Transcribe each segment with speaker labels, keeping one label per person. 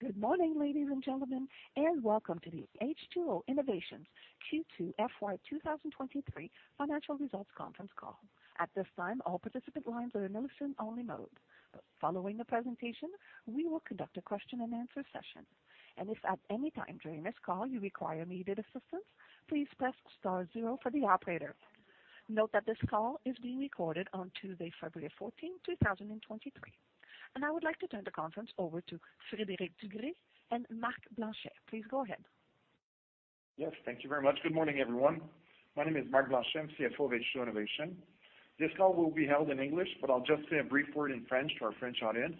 Speaker 1: Good morning, ladies and gentlemen, and welcome to the H2O Innovation Q2 FY 2023 financial results conference call. At this time, all participant lines are in listen-only mode. Following the presentation, we will conduct a question-and-answer session. If at any time during this call you require needed assistance, please press star zero for the operator. Note that this call is being recorded on Tuesday, February 14th, 2023. I would like to turn the conference over to Frédéric Dugré and Marc Blanchet. Please go ahead.
Speaker 2: Yes, thank you very much. Good morning, everyone. My name is Marc Blanchet, CFO of H2O Innovation. This call will be held in English, but I'll just say a brief word in French to our French audience.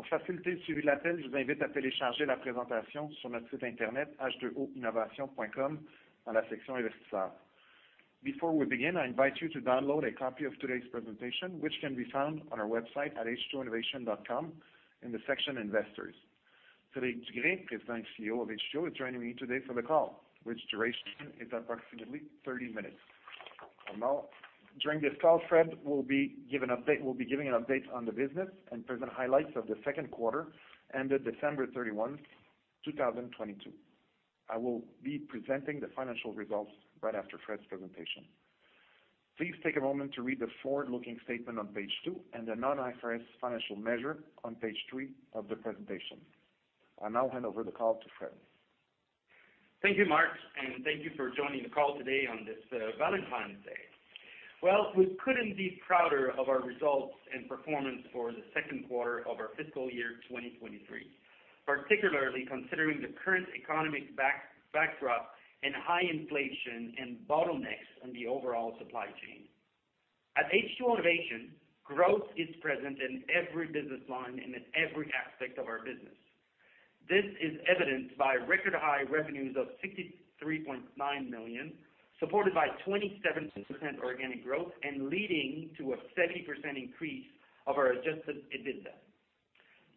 Speaker 1: Before we begin, I invite you to download a copy of today's presentation, which can be found on our website at h2oinnovation.com in the section investors.
Speaker 2: Frédéric Dugré, President and CEO of H2O Innovation, is joining me today for the call, which duration is approximately 30 minutes from now. During this call, Fred will be giving an update on the business and present highlights of the second quarter ended December 31, 2022. I will be presenting the financial results right after Fred's presentation. Please take a moment to read the forward-looking statement on page two and the non-IFRS financial measure on page three of the presentation. I now hand over the call to Fréd.
Speaker 3: Thank you, Marc, and thank you for joining the call today on this Valentine's Day. We couldn't be prouder of our results and performance for the second quarter of our fiscal year 2023, particularly considering the current economic backdrop and high inflation and bottlenecks on the overall supply chain. At H2O Innovation, growth is present in every business line and in every aspect of our business. This is evidenced by record-high revenues of $63.9 million, supported by 27% organic growth leading to a 30% increase of our adjusted EBITDA.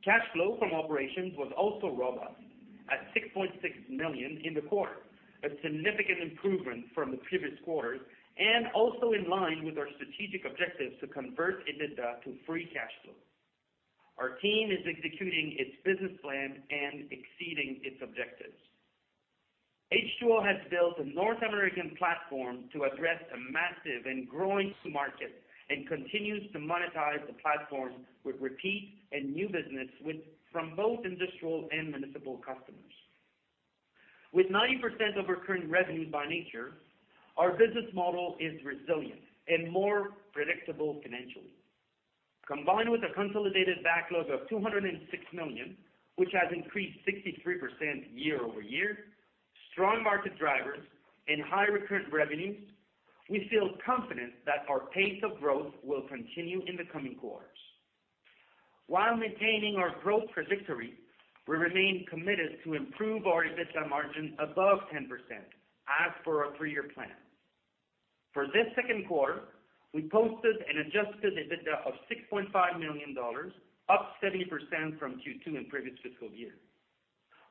Speaker 3: Cash flow from operations was also robust at $6.6 million in the quarter, a significant improvement from the previous quarters also in line with our strategic objectives to convert EBITDA to free cash flow. Our team is executing its business plan and exceeding its objectives. H2O has built a North American platform to address a massive and growing market, and continues to monetize the platform with repeat and new business from both industrial and municipal customers. With 90% of our current revenues by nature, our business model is resilient and more predictable financially. Combined with a consolidated backlog of $206 million, which has increased 63% year-over-year, strong market drivers and high recurrent revenues, we feel confident that our pace of growth will continue in the coming quarters. While maintaining our growth trajectory, we remain committed to improve our EBITDA margin above 10% as per our three-year plan. For this second quarter, we posted an adjusted EBITDA of $6.5 million, up 30% from Q2 in previous fiscal year.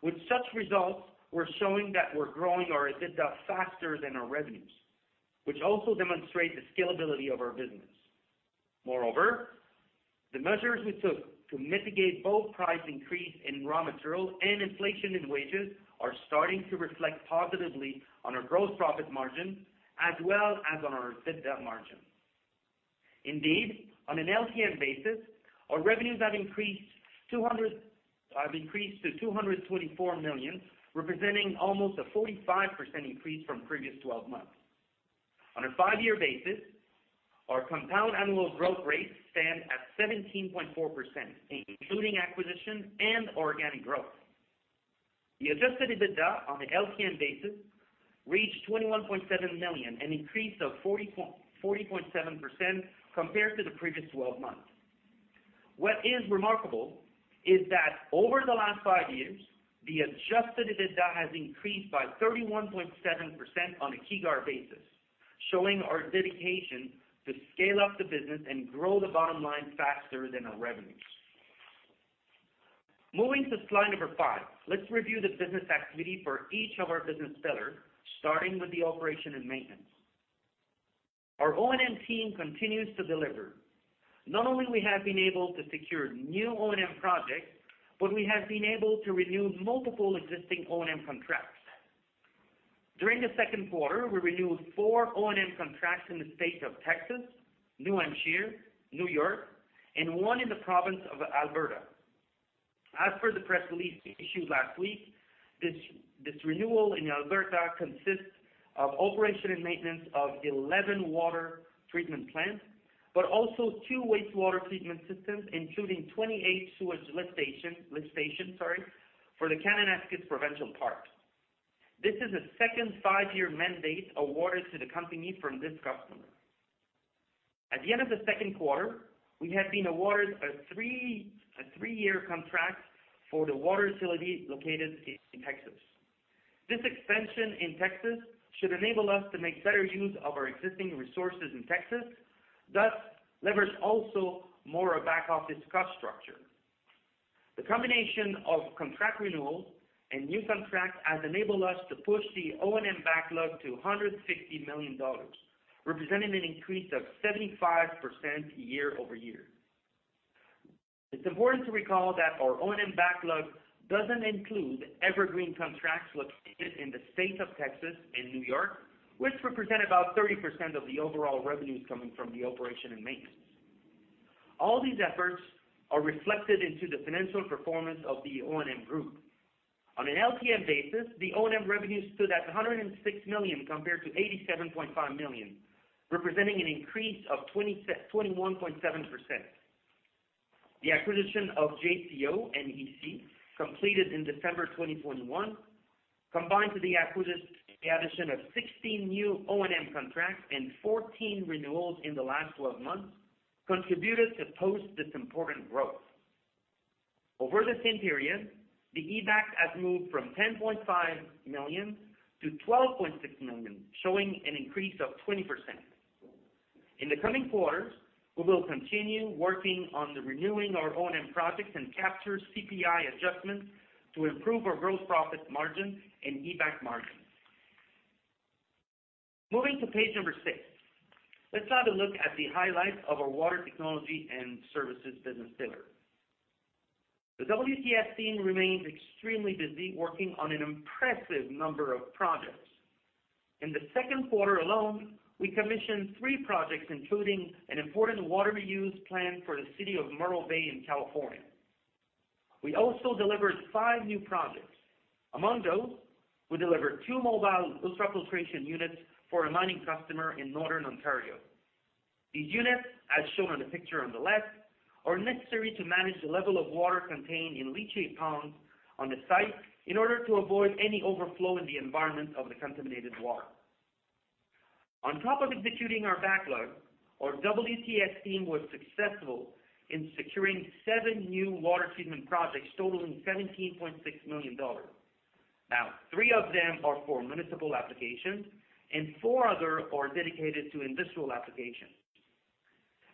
Speaker 3: With such results, we're showing that we're growing our EBITDA faster than our revenues, which also demonstrate the scalability of our business. The measures we took to mitigate both price increase in raw materials and inflation in wages are starting to reflect positively on our gross profit margin as well as on our EBITDA margin. On an LTM basis, our revenues have increased to 224 million, representing almost a 45% increase from previous twelve months. On a five-year basis, our compound annual growth rate stand at 17.4%, including acquisition and organic growth. The adjusted EBITDA on an LTM basis reached 21.7 million, an increase of 40.7% compared to the previous twelve months. What is remarkable is that over the last five years, the adjusted EBITDA has increased by 31.7% on a CAGR basis, showing our dedication to scale up the business and grow the bottom line faster than our revenues. Moving to slide number five, let's review the business activity for each of our business pillars, starting with the Operation & Maintenance. Our O&M team continues to deliver. Not only we have been able to secure new O&M projects, but we have been able to renew multiple existing O&M contracts. During the second quarter, we renewed four O&M contracts in the state of Texas, New Hampshire, New York, and one in the province of Alberta. As per the press release issued last week, this renewal in Alberta consists of operation and maintenance of 11 water treatment plants, but also two wastewater treatment systems, including 28 sewage lift station, sorry, for the Kananaskis Provincial Park. This is a second five-year mandate awarded to the company from this customer. At the end of the second quarter, we have been awarded a three-year contract for the water facility located in Texas. This expansion in Texas should enable us to make better use of our existing resources in Texas, thus leverage also more a back office cost structure. The combination of contract renewals and new contracts has enabled us to push the O&M backlog to $160 million, representing an increase of 75% year-over-year. It's important to recall that our O&M backlog doesn't include evergreen contracts located in the state of Texas and New York, which represent about 30% of the overall revenues coming from the operation and maintenance. All these efforts are reflected into the financial performance of the O&M group. On an LTM basis, the O&M revenues stood at 106 million compared to 87.5 million, representing an increase of 21.7%. The acquisition of JCO and EC completed in December 2021, combined with the addition of 16 new O&M contracts and 14 renewals in the last twelve months, contributed to post this important growth. Over the same period, the EBITDA has moved from 10.5 million to 12.6 million, showing an increase of 20%. In the coming quarters, we will continue working on the renewing our O&M projects and capture CPI adjustments to improve our gross profit margin and EBITDA margin. Moving to page number 6. Let's have a look at the highlights of our water technology and services business pillar. The WTS team remains extremely busy working on an impressive number of projects. In the second quarter alone, we commissioned three projects, including an important water reuse plant for the city of Morro Bay in California. We also delivered five new projects. Among those, we delivered two mobile ultrafiltration units for a mining customer in northern Ontario. These units, as shown on the picture on the left, are necessary to manage the level of water contained in leachate ponds on the site in order to avoid any overflow in the environment of the contaminated water. On top of executing our backlog, our WTS team was successful in securing seven new water treatment projects totaling $17.6 million. Now, three of them are for municipal applications and four other are dedicated to industrial applications.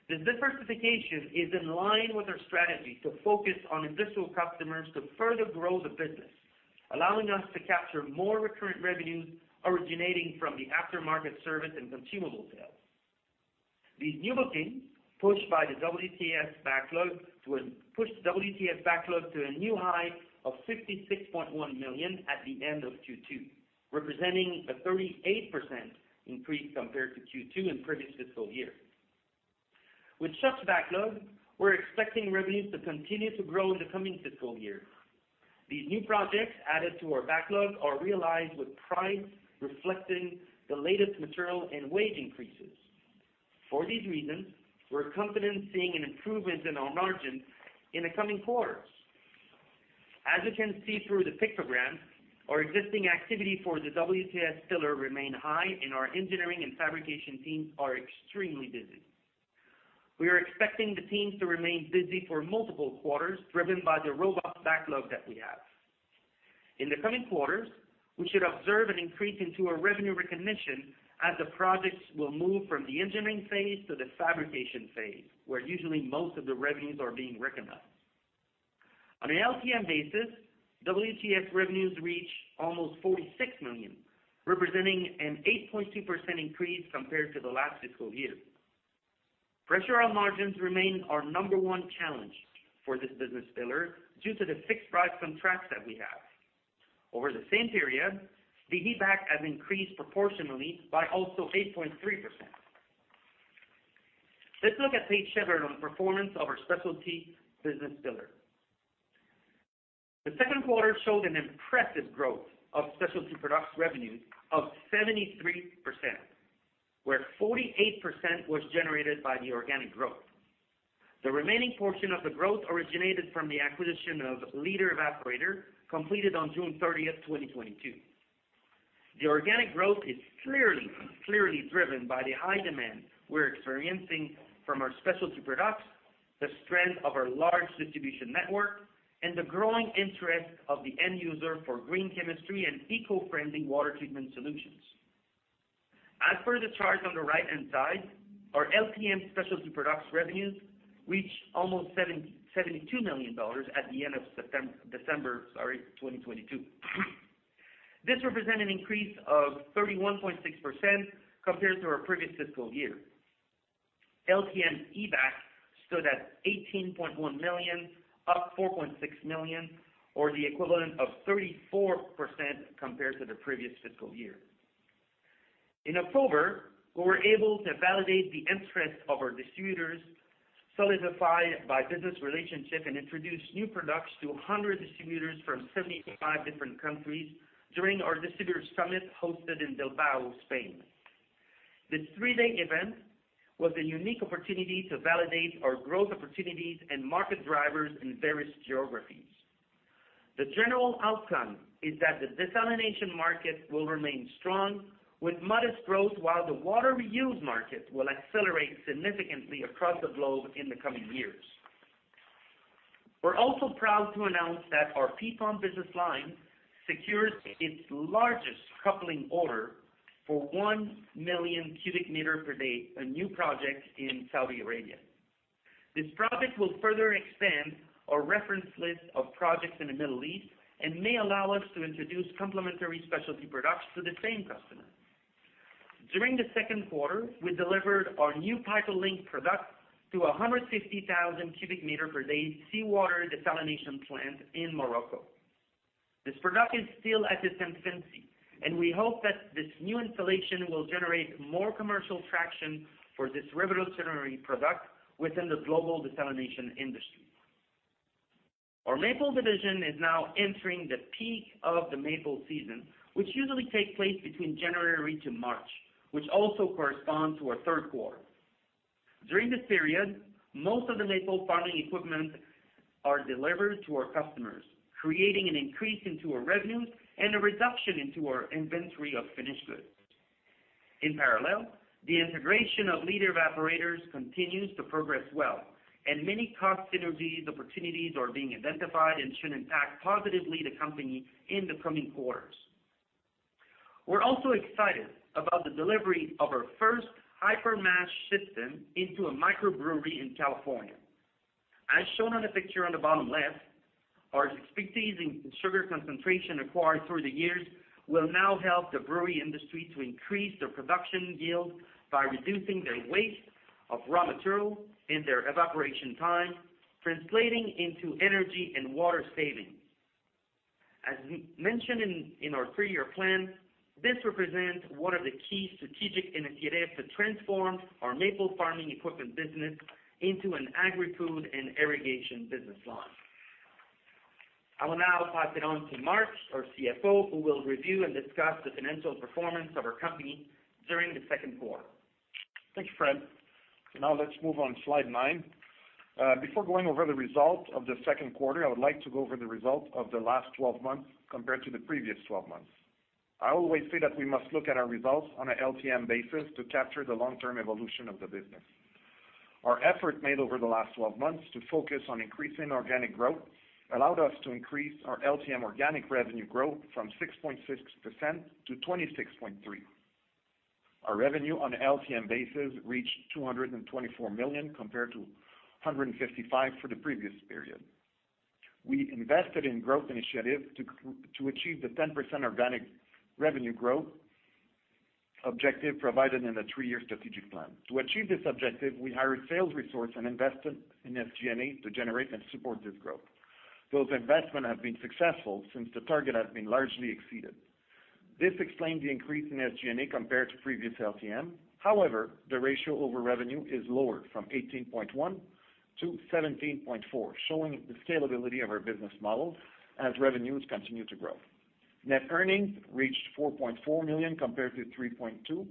Speaker 3: This diversification is in line with our strategy to focus on industrial customers to further grow the business, allowing us to capture more recurrent revenues originating from the aftermarket service and consumable sales. These new bookings, pushed by the WTS backlog, pushed WTS backlog to a new high of $56.1 million at the end of Q2, representing a 38% increase compared to Q2 in previous fiscal year. With such backlog, we're expecting revenues to continue to grow in the coming fiscal year. These new projects added to our backlog are realized with price reflecting the latest material and wage increases. For these reasons, we're confident seeing an improvement in our margins in the coming quarters. As you can see through the pictogram, our existing activity for the WTS pillar remain high, and our engineering and fabrication teams are extremely busy. We are expecting the teams to remain busy for multiple quarters, driven by the robust backlog that we have. In the coming quarters, we should observe an increase into our revenue recognition as the projects will move from the engineering phase to the fabrication phase, where usually most of the revenues are being recognized. On an LTM basis, WTS revenues reach almost 46 million, representing an 8.2% increase compared to the last fiscal year. Pressure on margins remain our number one challenge for this business pillar due to the fixed price contracts that we have. Over the same period, the EBITDA has increased proportionally by also 8.3%. Let's look at page seven on performance of our specialty business pillar. The second quarter showed an impressive growth of specialty products revenues of 73%, where 48% was generated by the organic growth. The remaining portion of the growth originated from the acquisition of Leader Evaporator, completed on June 30th, 2022. The organic growth is clearly driven by the high demand we're experiencing from our specialty products, the strength of our large distribution network, and the growing interest of the end user for green chemistry and eco-friendly water treatment solutions. As per the chart on the right-hand side, our LTM specialty products revenues reached almost $72 million at the end of December, sorry, 2022. This represent an increase of 31.6% compared to our previous fiscal year. LTM EBITDA stood at 18.1 million, up 4.6 million, or the equivalent of 34% compared to the previous fiscal year. In October, we were able to validate the interest of our distributors, solidify by business relationship, and introduce new products to 100 distributors from 75 different countries during our Distributors Summit hosted in Bilbao, Spain. This three-day event was a unique opportunity to validate our growth opportunities and market drivers in various geographies. The general outcome is that the desalination market will remain strong with modest growth, while the water reuse market will accelerate significantly across the globe in the coming years. We're also proud to announce that our Piedmont business line secured its largest coupling order for 1 million cubic meter per day, a new project in Saudi Arabia. This project will further expand our reference list of projects in the Middle East and may allow us to introduce complementary specialty products to the same customer. During the second quarter, we delivered our new PiPerLink product to a 150,000 cubic meter per day seawater desalination plant in Morocco. This product is still at its infancy, and we hope that this new installation will generate more commercial traction for this revolutionary product within the global desalination industry. Our maple division is now entering the peak of the maple season, which usually takes place between January to March, which also corresponds to our third quarter. During this period, most of the maple farming equipment are delivered to our customers, creating an increase into our revenues and a reduction into our inventory of finished goods. In parallel, the integration of Leader Evaporator continues to progress well, and many cost synergies opportunities are being identified and should impact positively the company in the coming quarters. We're also excited about the delivery of our first Hypermash system into a microbrewery in California. As shown on the picture on the bottom left, our expertise in sugar concentration acquired through the years will now help the brewery industry to increase their production yield by reducing their waste of raw material and their evaporation time, translating into energy and water savings. As we mentioned in our three-year plan, this represents one of the key strategic initiatives to transform our maple farming equipment business into an agri-food and irrigation business line. I will now pass it on to Marc, our CFO, who will review and discuss the financial performance of our company during the second quarter.
Speaker 2: Thank you, Fred. Now let's move on slide nine. Before going over the result of the second quarter, I would like to go over the result of the last 12 months compared to the previous 12 months. I always say that we must look at our results on a LTM basis to capture the long-term evolution of the business. Our effort made over the last 12 months to focus on increasing organic growth allowed us to increase our LTM organic revenue growth from 6.6% to 26.3%. Our revenue on an LTM basis reached 224 million, compared to 155 million for the previous period. We invested in growth initiatives to achieve the 10% organic revenue growth objective provided in the three-year strategic plan. To achieve this objective, we hired sales resource and invested in SG&A to generate and support this growth. Those investment have been successful since the target has been largely exceeded. This explains the increase in SG&A compared to previous LTM. The ratio over revenue is lower, from 18.1% to 17.4%, showing the scalability of our business model as revenues continue to grow. Net earnings reached 4.4 million compared to 3.2,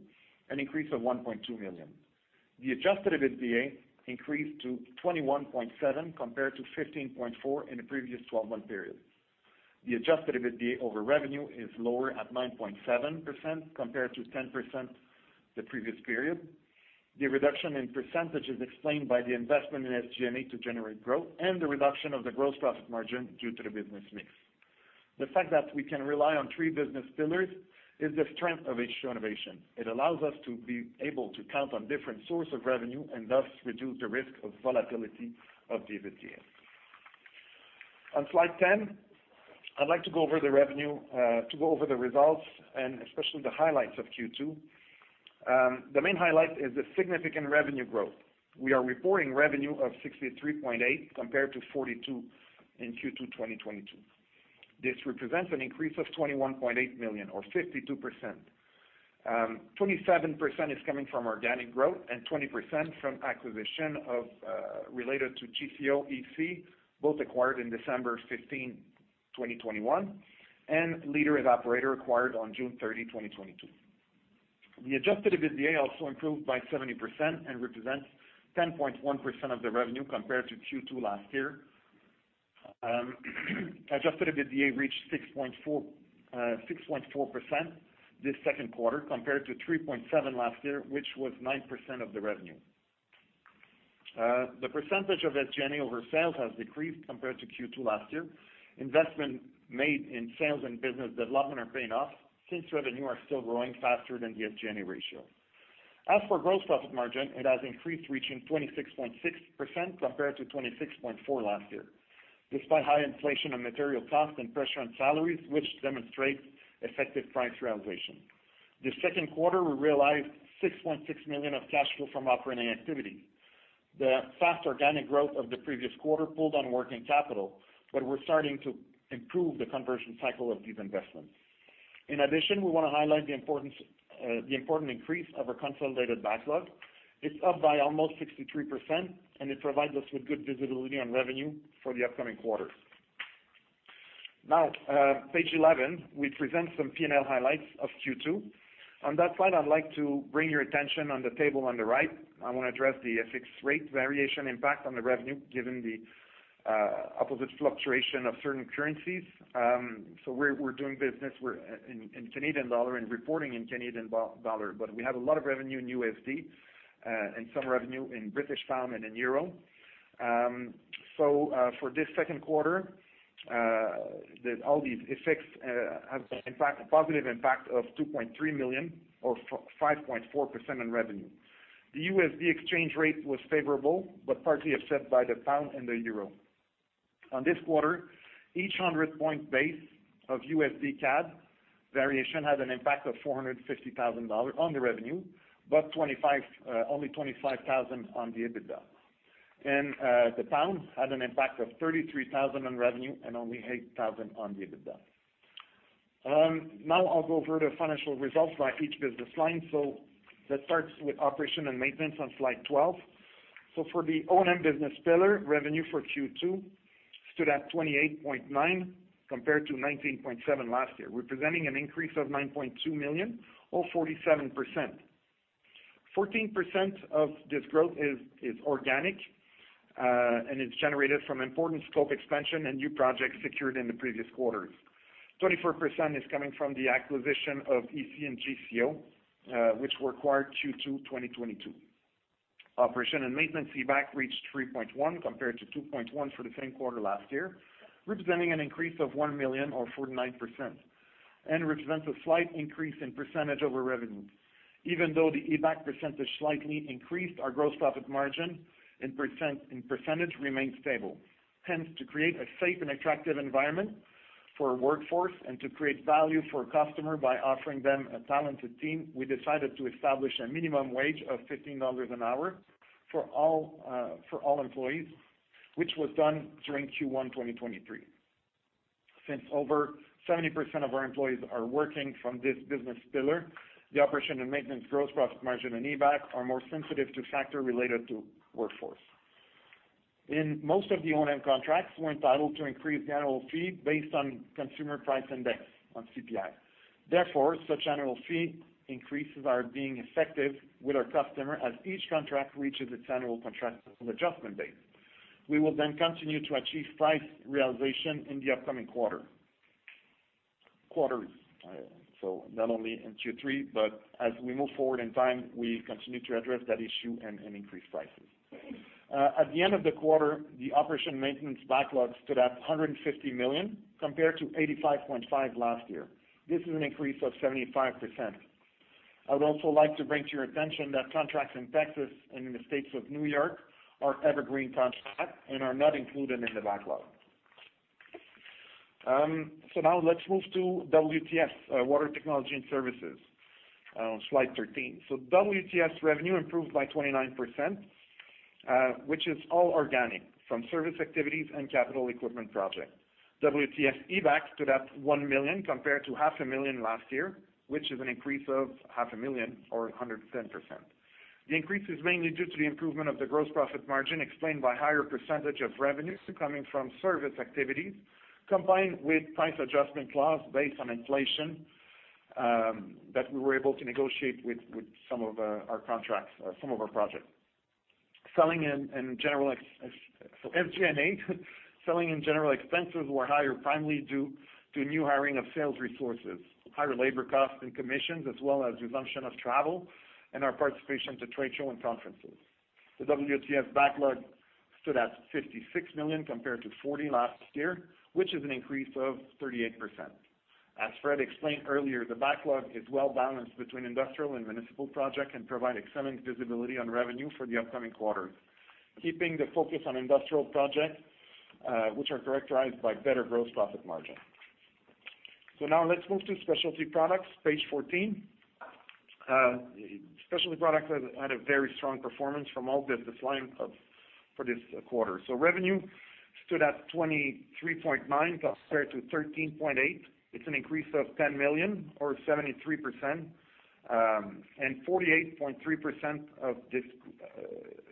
Speaker 2: an increase of 1.2 million. The adjusted EBITDA increased to 21.7, compared to 15.4 in the previous 12-month period. The adjusted EBITDA over revenue is lower at 9.7%, compared to 10% the previous period. The reduction in percentage is explained by the investment in SG&A to generate growth and the reduction of the gross profit margin due to the business mix. The fact that we can rely on three business pillars is the strength of H2O Innovation. It allows us to be able to count on different source of revenue and thus reduce the risk of volatility of the EBITDA. On slide 10, I'd like to go over the revenue, to go over the results and especially the highlights of Q2. The main highlight is the significant revenue growth. We are reporting revenue of 63.8 million, compared to 42 million in Q2 2022. This represents an increase of 21.8 million or 52%. 27% is coming from organic growth and 20% from acquisition of, related to JCO EC, both acquired in December 15, 2021, and Leader Evaporator acquired on June 30, 2022. The adjusted EBITDA also improved by 70% and represents 10.1% of the revenue compared to Q2 last year. adjusted EBITDA reached 6.4 million this second quarter, compared to 3.7 million last year, which was 9% of the revenue. The percentage of SG&A over sales has decreased compared to Q2 last year. Investment made in sales and business development are paying off since revenue are still growing faster than the SG&A ratio. As for gross profit margin, it has increased, reaching 26.6% compared to 26.4% last year, despite high inflation on material costs and pressure on salaries, which demonstrates effective price realization. This second quarter, we realized 6.6 million of cash flow from operating activity. The fast organic growth of the previous quarter pulled on working capital, but we're starting to improve the conversion cycle of these investments. In addition, we wanna highlight the important increase of our consolidated backlog. It's up by almost 63%, and it provides us with good visibility on revenue for the upcoming quarters. Page 11, we present some P&L highlights of Q2. On that slide, I'd like to bring your attention on the table on the right. I wanna address the FX rate variation impact on the revenue, given the opposite fluctuation of certain currencies. We're doing business in Canadian dollar and reporting in Canadian dollar, but we have a lot of revenue in USD, and some revenue in British pound and in euro. For this second quarter, all these effects have been, in fact, a positive impact of 2.3 million or 5.4% on revenue. The USD exchange rate was favorable, partly offset by the pound and the euro. On this quarter, each 100 point base of USD CAD variation had an impact of 450,000 dollars on the revenue, only 25,000 on the EBITDA. The pound had an impact of 33,000 on revenue and only 8,000 on the EBITDA. Now I'll go over the financial results by each business line. Let's start with operation and maintenance on slide 12. For the O&M business pillar, revenue for Q2 stood at $28.9 million, compared to $19.7 million last year, representing an increase of $9.2 million or 47%. 14% of this growth is organic, and it's generated from important scope expansion and new projects secured in the previous quarters. 24% is coming from the acquisition of EC and JCO, which were acquired Q2 2022. Operation and Maintenance EBITDA reached $3.1 million, compared to $2.1 million for the same quarter last year, representing an increase of $1 million or 49%, and represents a slight increase in percentage over revenue. Even though the EBITDA percentage slightly increased, our gross profit margin in percentage remains stable. To create a safe and attractive environment for our workforce and to create value for our customer by offering them a talented team, we decided to establish a minimum wage of $15 an hour for all for all employees, which was done during Q1 2023. Since over 70% of our employees are working from this business pillar, the operation and maintenance gross profit margin and EBITDA are more sensitive to factor related to workforce. In most of the O&M contracts, we're entitled to increase the annual fee based on Consumer Price Index, on CPI. Such annual fee increases are being effective with our customer as each contract reaches its annual contractual adjustment date. We will continue to achieve price realization in the upcoming quarters. Not only in Q3, but as we move forward in time, we continue to address that issue and increase prices. At the end of the quarter, the operation maintenance backlog stood at 150 million compared to 85.5 last year. This is an increase of 75%. I would also like to bring to your attention that contracts in Texas and in the States of New York are evergreen contracts and are not included in the backlog. Now let's move to WTS, Water Technology and Services, on slide 13. WTS revenue improved by 29%, which is all organic from service activities and capital equipment projects. WTS EBITDA stood at 1 million compared to CAD half a million last year, which is an increase of CAD half a million or 100%. The increase is mainly due to the improvement of the gross profit margin explained by higher percentage of revenues coming from service activities, combined with price adjustment clause based on inflation, that we were able to negotiate with some of our contracts or some of our projects. SG&A, selling and general expenses were higher, primarily due to new hiring of sales resources, higher labor costs and commissions, as well as resumption of travel and our participation to trade show and conferences. The WTS backlog stood at 56 million compared to 40 million last year, which is an increase of 38%. As Fred explained earlier, the backlog is well balanced between industrial and municipal project and provide excellent visibility on revenue for the upcoming quarters, keeping the focus on industrial projects, which are characterized by better gross profit margin. Now let's move to specialty products, page 14. Specialty products had a very strong performance from all business line for this quarter. Revenue stood at 23.9 compared to 13.8. It's an increase of 10 million or 73%, and 48.3% of this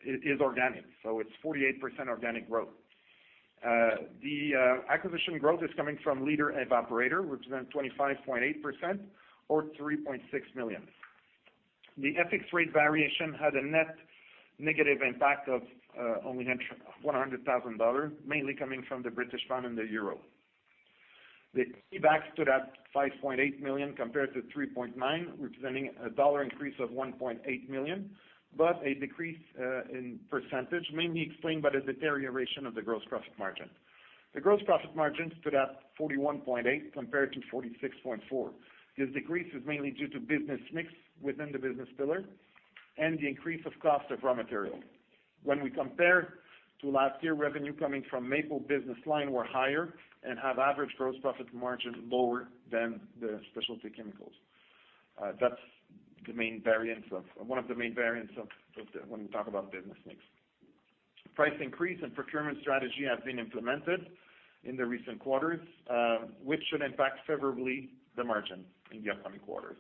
Speaker 2: is organic. It's 48% organic growth. The acquisition growth is coming from Leader Evaporator, which is at 25.8% or 3.6 million. The FX rate variation had a net negative impact of only $100,000, mainly coming from the British pound and the euro. The EBITDA stood at 5.8 million compared to 3.9 million, representing a dollar increase of 1.8 million, a decrease in %, mainly explained by the deterioration of the gross profit margin. The gross profit margin stood at 41.8% compared to 46.4%. This decrease is mainly due to business mix within the business pillar and the increase of cost of raw material. We compare to last year, revenue coming from maple business line were higher and have average gross profit margin lower than the specialty chemicals. That's the main variance of one of the main variants of the when we talk about business mix. Price increase and procurement strategy have been implemented in the recent quarters, which should impact favorably the margin in the upcoming quarters.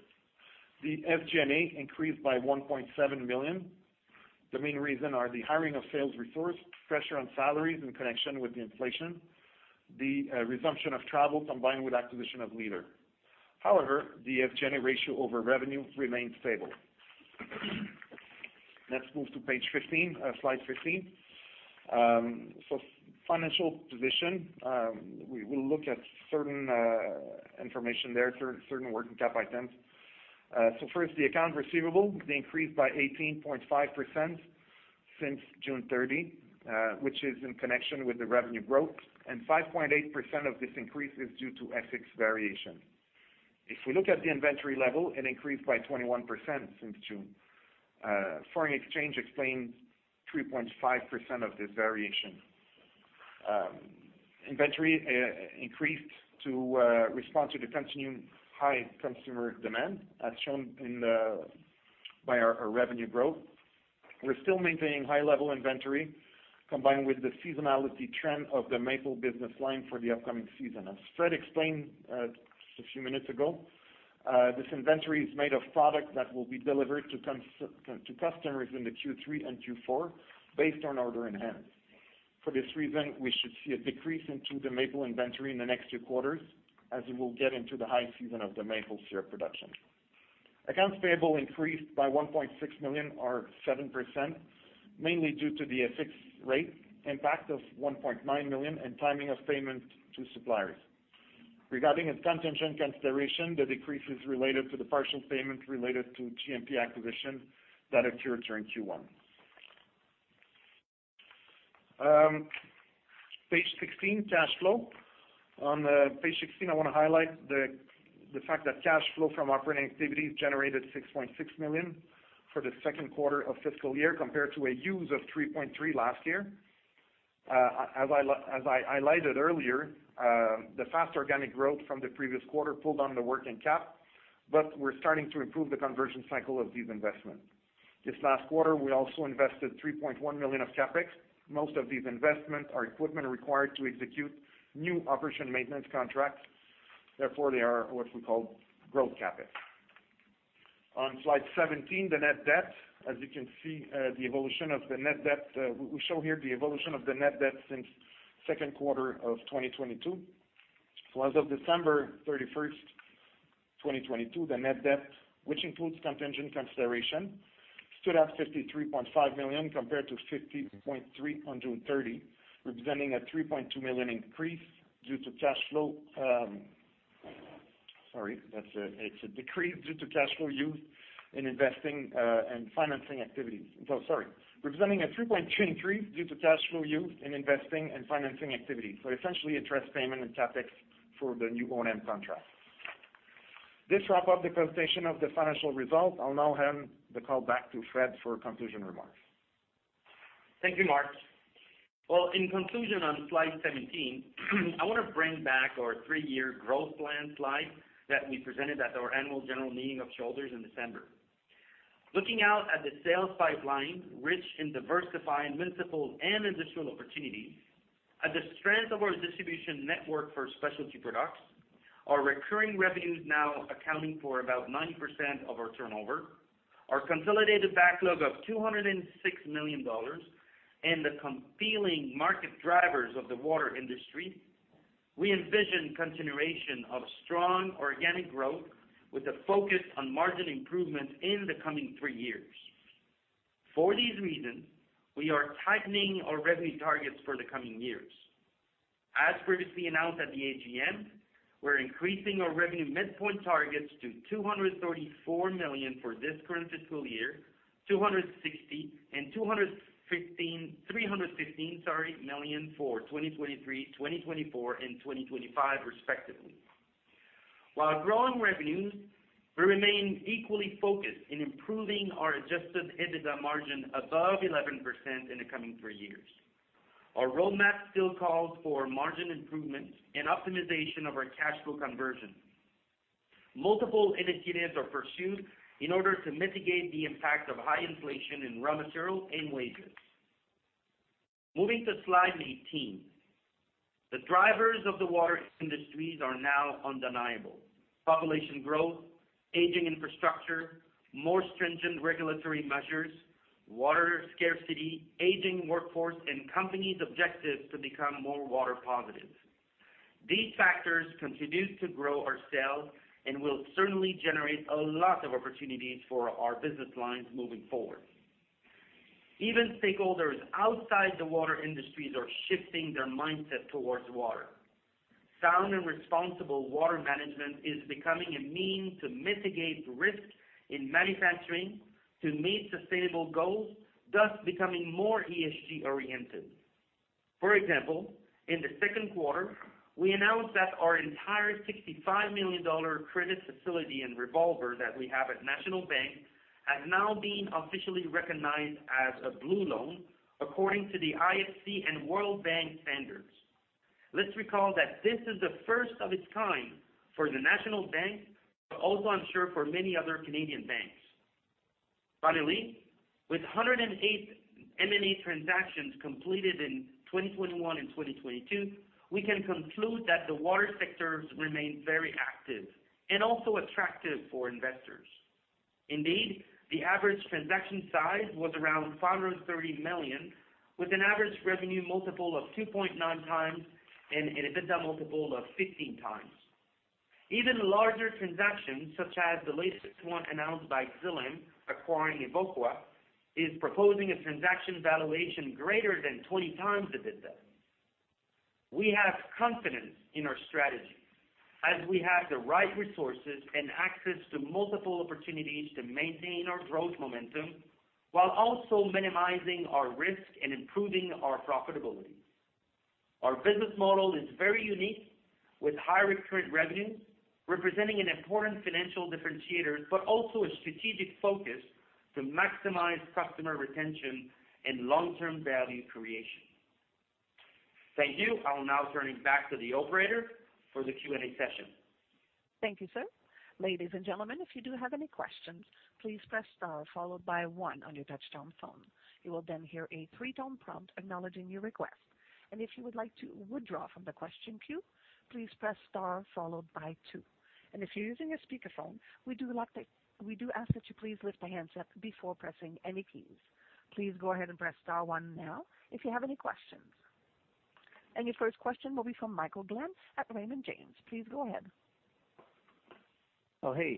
Speaker 2: The SG&A increased by 1.7 million. The main reason are the hiring of sales resource, pressure on salaries in connection with the inflation, the resumption of travel combined with acquisition of Leader. However, the SG&A ratio over revenue remains stable. Let's move to page 15, slide 15. Financial position, we will look at certain information there, certain working capital items. First, the account receivable, they increased by 18.5% since June 30, which is in connection with the revenue growth, and 5.8% of this increase is due to FX variation. If we look at the inventory level, it increased by 21% since June. Foreign exchange explained 3.5% of this variation. Inventory increased to respond to the continuing high consumer demand as shown by our revenue growth. We're still maintaining high level inventory combined with the seasonality trend of the maple business line for the upcoming season. As Fred explained, just a few minutes ago, this inventory is made of product that will be delivered to customers in the Q3 and Q4 based on order in hand. For this reason, we should see a decrease into the maple inventory in the next two quarters as we will get into the high season of the maple syrup production. Accounts payable increased by 1.6 million or 7%, mainly due to the fixed rate impact of 1.9 million and timing of payment to suppliers. Regarding its contingent consideration, the decrease is related to the partial payment related to GMP acquisition that occurred during Q1. Page 16, cash flow. On page 16, I wanna highlight the fact that cash flow from operating activities generated $6.6 million for the second quarter of fiscal year compared to a use of $3.3 million last year. As I highlighted earlier, the fast organic growth from the previous quarter pulled on the working cap, we're starting to improve the conversion cycle of these investments. This last quarter, we also invested $3.1 million of CAPEX. Most of these investments are equipment required to execute new operation maintenance contracts. Therefore, they are what we call growth CAPEX. On slide 17, the net debt. As you can see, the evolution of the net debt, we show here the evolution of the net debt since second quarter of 2022. As of December 31, 2022, the net debt, which includes contingent consideration, stood at 53.5 million compared to 50.3 on June 30, representing a 3.2 million increase due to cash flow. sorry, that's... It's a decrease due to cash flow use in investing and financing activities. No, sorry. Representing a CAD 3.2 million increase due to cash flow use in investing and financing activity. Essentially interest payment and CAPEX for the new O&M contract. This wrap up the presentation of the financial results. I'll now hand the call back to Fred for conclusion remarks.
Speaker 3: Thank you, Marc. In conclusion, on slide 17, I wanna bring back our three-year growth plan slide that we presented at our annual general meeting of shareholders in December. Looking out at the sales pipeline, rich in diversifying municipal and industrial opportunities, at the strength of our distribution network for specialty products, our recurring revenues now accounting for about 90% of our turnover, our consolidated backlog of 206 million dollars, and the compelling market drivers of the water industry, we envision continuation of strong organic growth with a focus on margin improvement in the coming three years. For these reasons, we are tightening our revenue targets for the coming years. As previously announced at the AGM, we're increasing our revenue midpoint targets to 234 million for this current fiscal year, 260 million and 215 million... 315 million for 2023, 2024 and 2025 respectively. While growing revenues, we remain equally focused in improving our adjusted EBITDA margin above 11% in the coming three years. Our roadmap still calls for margin improvements and optimization of our cash flow conversion. Multiple initiatives are pursued in order to mitigate the impact of high inflation in raw material and wages. Moving to slide 18, the drivers of the water industries are now undeniable. Population growth, aging infrastructure, more stringent regulatory measures, water scarcity, aging workforce, and companies' objective to become more water positive. These factors continue to grow our sales and will certainly generate a lot of opportunities for our business lines moving forward. Even stakeholders outside the water industries are shifting their mindset towards water. Sound and responsible water management is becoming a means to mitigate risk in manufacturing to meet sustainable goals, thus becoming more ESG-oriented. For example, in the second quarter, we announced that our entire $65 million credit facility and revolver that we have at National Bank has now been officially recognized as a Blue Loan according to the IFC and World Bank standards. Let's recall that this is the first of its kind for the National Bank, but also I'm sure for many other Canadian banks. Finally, with 108 M&A transactions completed in 2021 and 2022, we can conclude that the water sectors remain very active and also attractive for investors. Indeed, the average transaction size was around $530 million, with an average revenue multiple of 2.9 times and an EBITDA multiple of 15 times. Even larger transactions, such as the latest one announced by Xylem acquiring Evoqua, is proposing a transaction valuation greater than 20 times EBITDA. We have confidence in our strategy as we have the right resources and access to multiple opportunities to maintain our growth momentum while also minimizing our risk and improving our profitability. Our business model is very unique with high recurrent revenue, representing an important financial differentiator, but also a strategic focus to maximize customer retention and long-term value creation. Thank you. I will now turn it back to the operator for the Q&A session.
Speaker 1: Thank you, sir. Ladies and gentlemen, if you do have any questions, please press star followed by one on your touchtone phone. You will then hear a three-tone prompt acknowledging your request. If you would like to withdraw from the question queue, please press star followed by two. If you're using a speakerphone, we do ask that you please lift the handset before pressing any keys. Please go ahead and press star one now if you have any questions. Your first question will be from Michael Glen at Raymond James. Please go ahead.
Speaker 4: Oh, hey,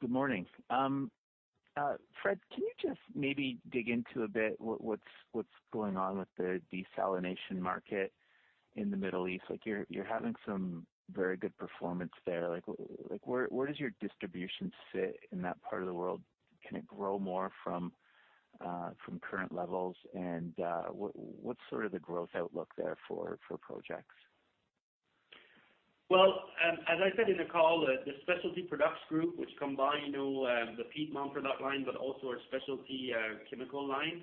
Speaker 4: good morning. Fred, can you just maybe dig into a bit what's going on with the desalination market in the Middle East? Like, you're having some very good performance there. Like, where does your distribution sit in that part of the world? Can it grow more from current levels? What's sort of the growth outlook there for projects?
Speaker 3: As I said in the call, the Specialty Products Group, which combine, you know, the Piedmont product line, but also our specialty chemical line,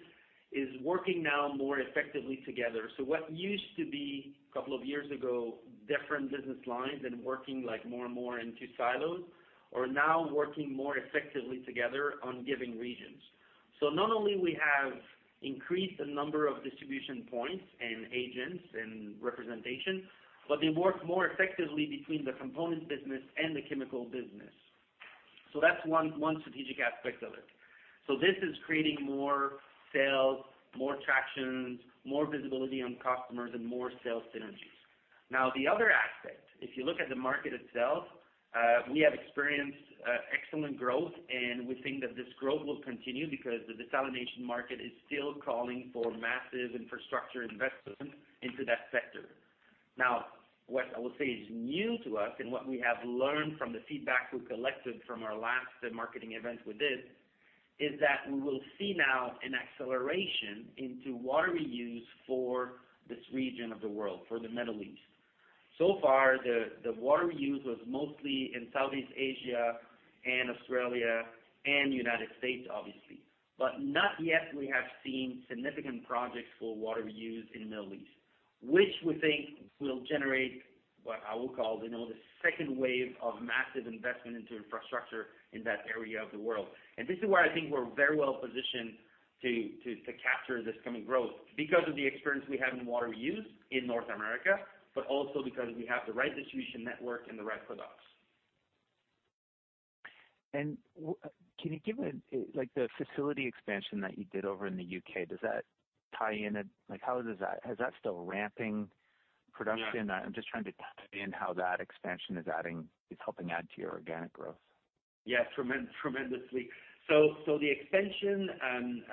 Speaker 3: is working now more effectively together. What used to be, a couple of years ago, different business lines and working like more and more into silos, are now working more effectively together on giving regions. Not only we have increased the number of distribution points and agents and representation, but they work more effectively between the components business and the chemical business. That's one strategic aspect of it. This is creating more sales, more tractions, more visibility on customers and more sales synergies. The other aspect, if you look at the market itself, we have experienced excellent growth, and we think that this growth will continue because the desalination market is still calling for massive infrastructure investment into that sector. What I will say is new to us and what we have learned from the feedback we collected from our last marketing event we did, is that we will see now an acceleration into water reuse for this region of the world, for the Middle East. So far, the water reuse was mostly in Southeast Asia and Australia and United States, obviously. But not yet we have seen significant projects for water reuse in the Middle East, which we think will generate what I will call, you know, the second wave of massive investment into infrastructure in that area of the world. This is why I think we're very well positioned to capture this coming growth because of the experience we have in water reuse in North America, but also because we have the right distribution network and the right products.
Speaker 4: Can you give like, the facility expansion that you did over in the U.K., does that tie in? Like, is that still ramping production?
Speaker 3: Yeah.
Speaker 4: I'm just trying to tie in how that expansion is helping add to your organic growth.
Speaker 3: Yes, tremendously. The expansion,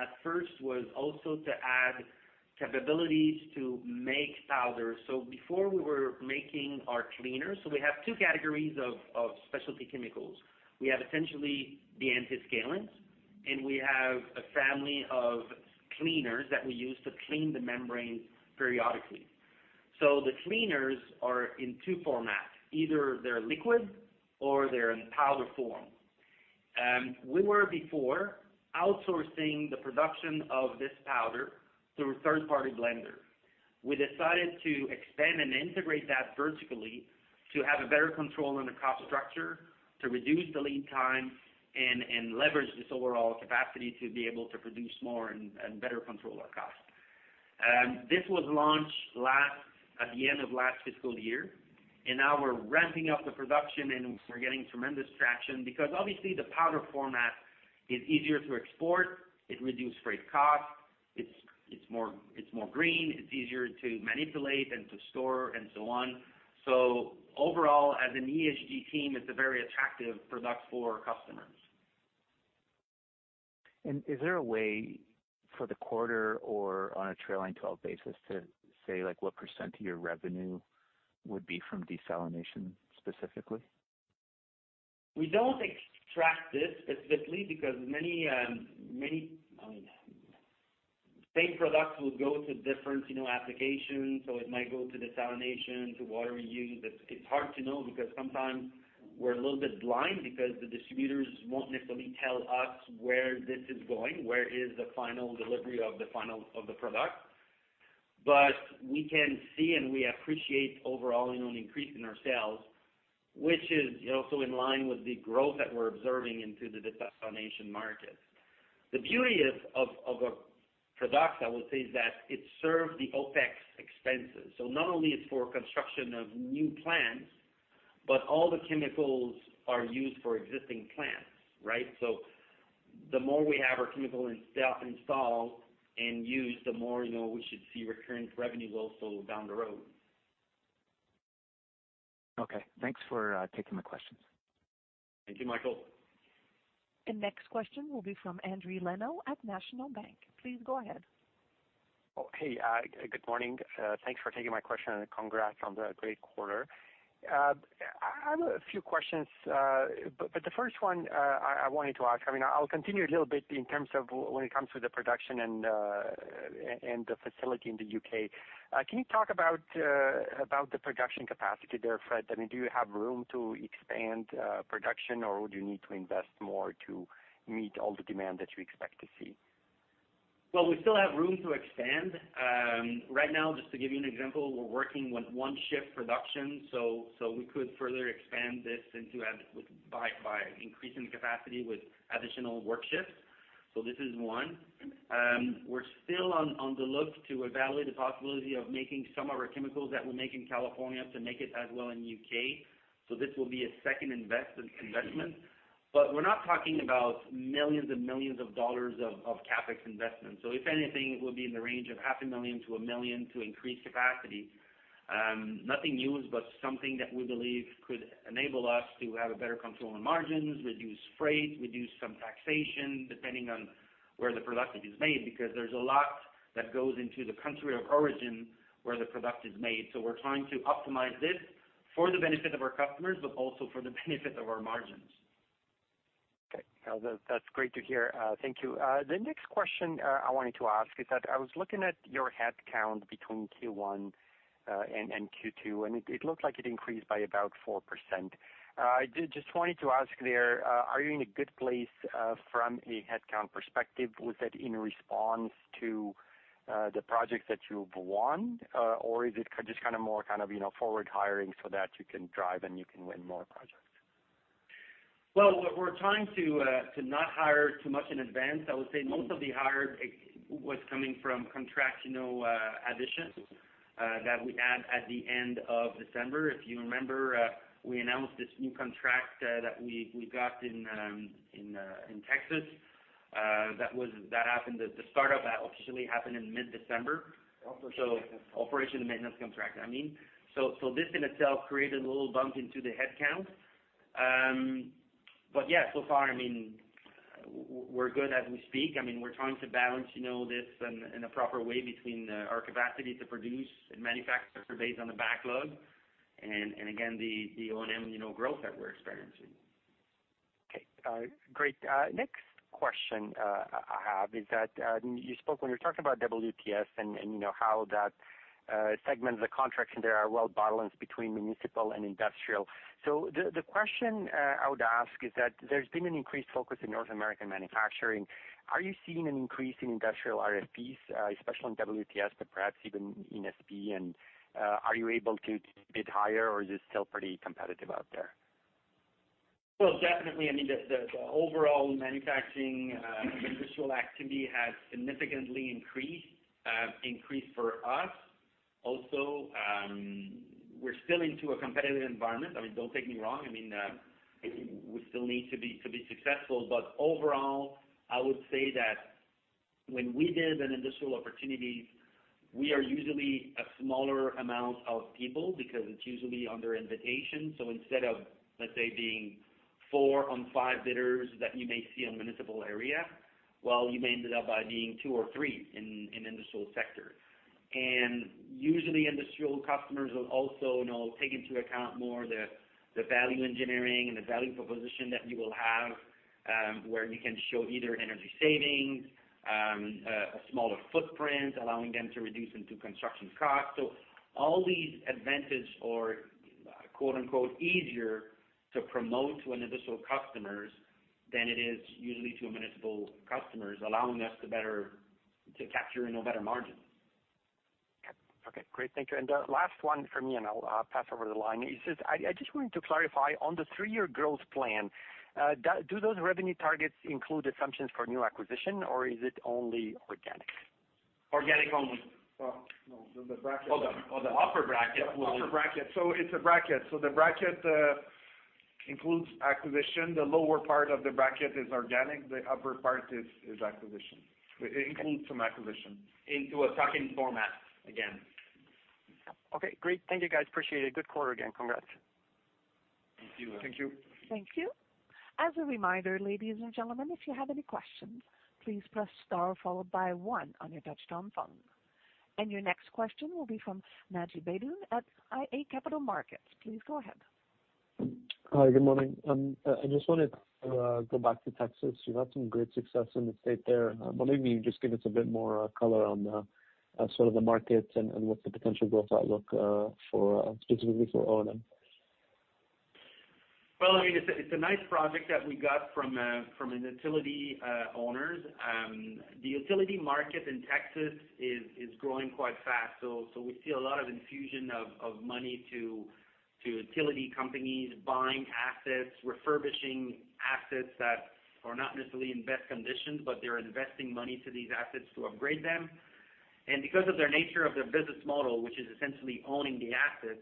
Speaker 3: at first was also to add capabilities to make powder. Before we were making our cleaners. We have two categories of specialty chemicals. We have essentially the antiscalants, and we have a family of cleaners that we use to clean the membrane periodically. The cleaners are in two formats, either they're liquid or they're in powder form. We were before outsourcing the production of this powder through a third-party blender. We decided to expand and integrate that vertically to have a better control on the cost structure, to reduce the lead time and leverage this overall capacity to be able to produce more and better control our cost. This was launched at the end of last fiscal year, and now we're ramping up the production and we're getting tremendous traction because obviously the powder format is easier to export. It reduced freight cost. It's more green. It's easier to manipulate and to store and so on. Overall, as an ESG team, it's a very attractive product for customers.
Speaker 4: Is there a way for the quarter or on a trailing-twelve basis to say, like, what % of your revenue would be from desalination specifically?
Speaker 3: We don't extract it specifically because many, I mean, same products will go to different, you know, applications. It might go to desalination, to water reuse. It's hard to know because sometimes we're a little bit blind because the distributors won't necessarily tell us where this is going, where is the final delivery of the final of the product. We can see and we appreciate overall, you know, an increase in our sales, which is also in line with the growth that we're observing into the desalination market. The beauty of a product, I would say, is that it serves the OpEx expenses. Not only it's for construction of new plants, but all the chemicals are used for existing plants, right? The more we have our chemical installed and used, the more, you know, we should see recurring revenue also down the road.
Speaker 4: Okay. Thanks for taking the questions.
Speaker 2: Thank you, Michael.
Speaker 1: The next question will be from Endri Leno at National Bank. Please go ahead.
Speaker 5: Oh, hey, good morning. Thanks for taking my question and congrats on the great quarter. I have a few questions. The first one, I wanted to ask, I mean, I'll continue a little bit in terms of when it comes to the production and the facility in the U.K.. Can you talk about the production capacity there, Fréd? I mean, do you have room to expand production, or would you need to invest more to meet all the demand that you expect to see?
Speaker 3: Well, we still have room to expand. Right now, just to give you an example, we're working with one shift production, so we could further expand this into by increasing the capacity with additional work shifts. This is one. We're still on the look to evaluate the possibility of making some of our chemicals that we make in California to make it as well in U.K.. This will be a second investment. We're not talking about millions and millions of dollars of CAPEX investments. If anything, it will be in the range of half a million to $1 million to increase capacity. Nothing huge, but something that we believe could enable us to have a better control on margins, reduce freight, reduce some taxation depending on where the product is made, because there's a lot that goes into the country of origin where the product is made. We're trying to optimize this for the benefit of our customers, but also for the benefit of our margins.
Speaker 5: Okay. That, that's great to hear. Thank you. The next question I wanted to ask is that I was looking at your headcount between Q1 and Q2, and it looks like it increased by about 4%. I just wanted to ask there, are you in a good place from a headcount perspective? Was that in response to the projects that you've won? Or is it just kind of more kind of, you know, forward hiring so that you can drive and you can win more projects?
Speaker 3: Well, what we're trying to not hire too much in advance. I would say most of the hire ex- was coming from contractual additions that we had at the end of December. If you remember, we announced this new contract that we got in Texas that happened at the start of that, officially happened in mid-December. Operation and maintenance contract, I mean. This in itself created a little bump into the headcount. But yeah, so far, I mean, we're good as we speak. I mean, we're trying to balance, you know, this in a proper way between our capacity to produce and manufacture surveys on the backlog and again, the O&M, you know, growth that we're experiencing.
Speaker 5: Okay. Great. Next question, I have is that, you spoke when you talked about WTS and, you know, how that segment of the contracts in there are well balanced between municipal and industrial. The question I would ask is that there's been an increased focus in North American manufacturing. Are you seeing an increase in industrial RFPs, especially in WTS, but perhaps even in SP? Are you able to bid higher, or is it still pretty competitive out there?
Speaker 3: Well, definitely, I mean, the overall manufacturing industrial activity has significantly increased for us. Also, we're still into a competitive environment. I mean, don't take me wrong. I mean, we still need to be successful. Overall, I would say that when we bid an industrial opportunity, we are usually a smaller amount of people because it's usually under invitation. Instead of, let's say, being four or five bidders that you may see on municipal area, well, you may end it up by being two or three in industrial sector. Usually, industrial customers will also, you know, take into account more the value engineering and the value proposition that you will have, where you can show either energy savings, a smaller footprint, allowing them to reduce into construction costs. All these advantages or quote-unquote, "easier" to promote to an industrial customers than it is usually to a municipal customers, allowing us to capture, you know, better margins.
Speaker 5: Okay. Great. Thank you. The last one for me, and I'll pass over the line, is just I just wanted to clarify on the three-year growth plan, do those revenue targets include assumptions for new acquisition, or is it only organic?
Speaker 3: Organic only.
Speaker 2: Well, no, the.
Speaker 3: The upper bracket.
Speaker 2: The upper bracket. It's a bracket. The bracket includes acquisition. The lower part of the bracket is organic, the upper part is acquisition. It includes some acquisition.
Speaker 3: Into a tracking format again.
Speaker 5: Okay, great. Thank you, guys. Appreciate it. Good quarter again. Congrats.
Speaker 2: Thank you.
Speaker 3: Thank you.
Speaker 1: Thank you. As a reminder, ladies and gentlemen, if you have any questions, please press star followed by one on your touchtone phone. Your next question will be from Naji Baydoun at iA Capital Markets. Please go ahead.
Speaker 6: Hi, good morning. I just wanted to go back to Texas. You've had some great success in the state there. Maybe you can just give us a bit more color on sort of the markets and what's the potential growth outlook for specifically for O&M.
Speaker 3: Well, I mean, it's a nice project that we got from a utility owners. The utility market in Texas is growing quite fast. We see a lot of infusion of money to utility companies buying assets, refurbishing assets that are not necessarily in best condition, but they're investing money to these assets to upgrade them. Because of their nature of their business model, which is essentially owning the assets,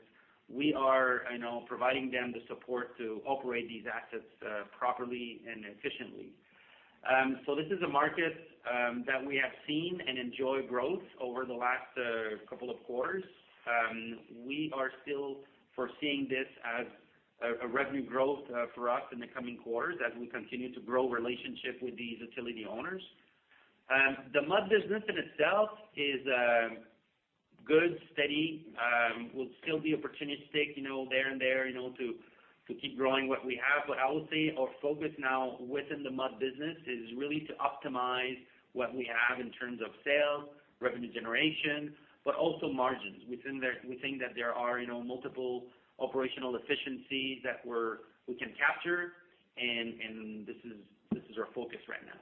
Speaker 3: we are, you know, providing them the support to operate these assets properly and efficiently. This is a market that we have seen and enjoy growth over the last couple of quarters. We are still foreseeing this as a revenue growth for us in the coming quarters as we continue to grow relationship with these utility owners. The MUD business in itself is good, steady, will still be opportunistic, you know, there and there, you know, to keep growing what we have. What I would say our focus now within the MUD business is really to optimize what we have in terms of sales, revenue generation, but also margins within there. We think that there are, you know, multiple operational efficiencies that we can capture and this is our focus right now.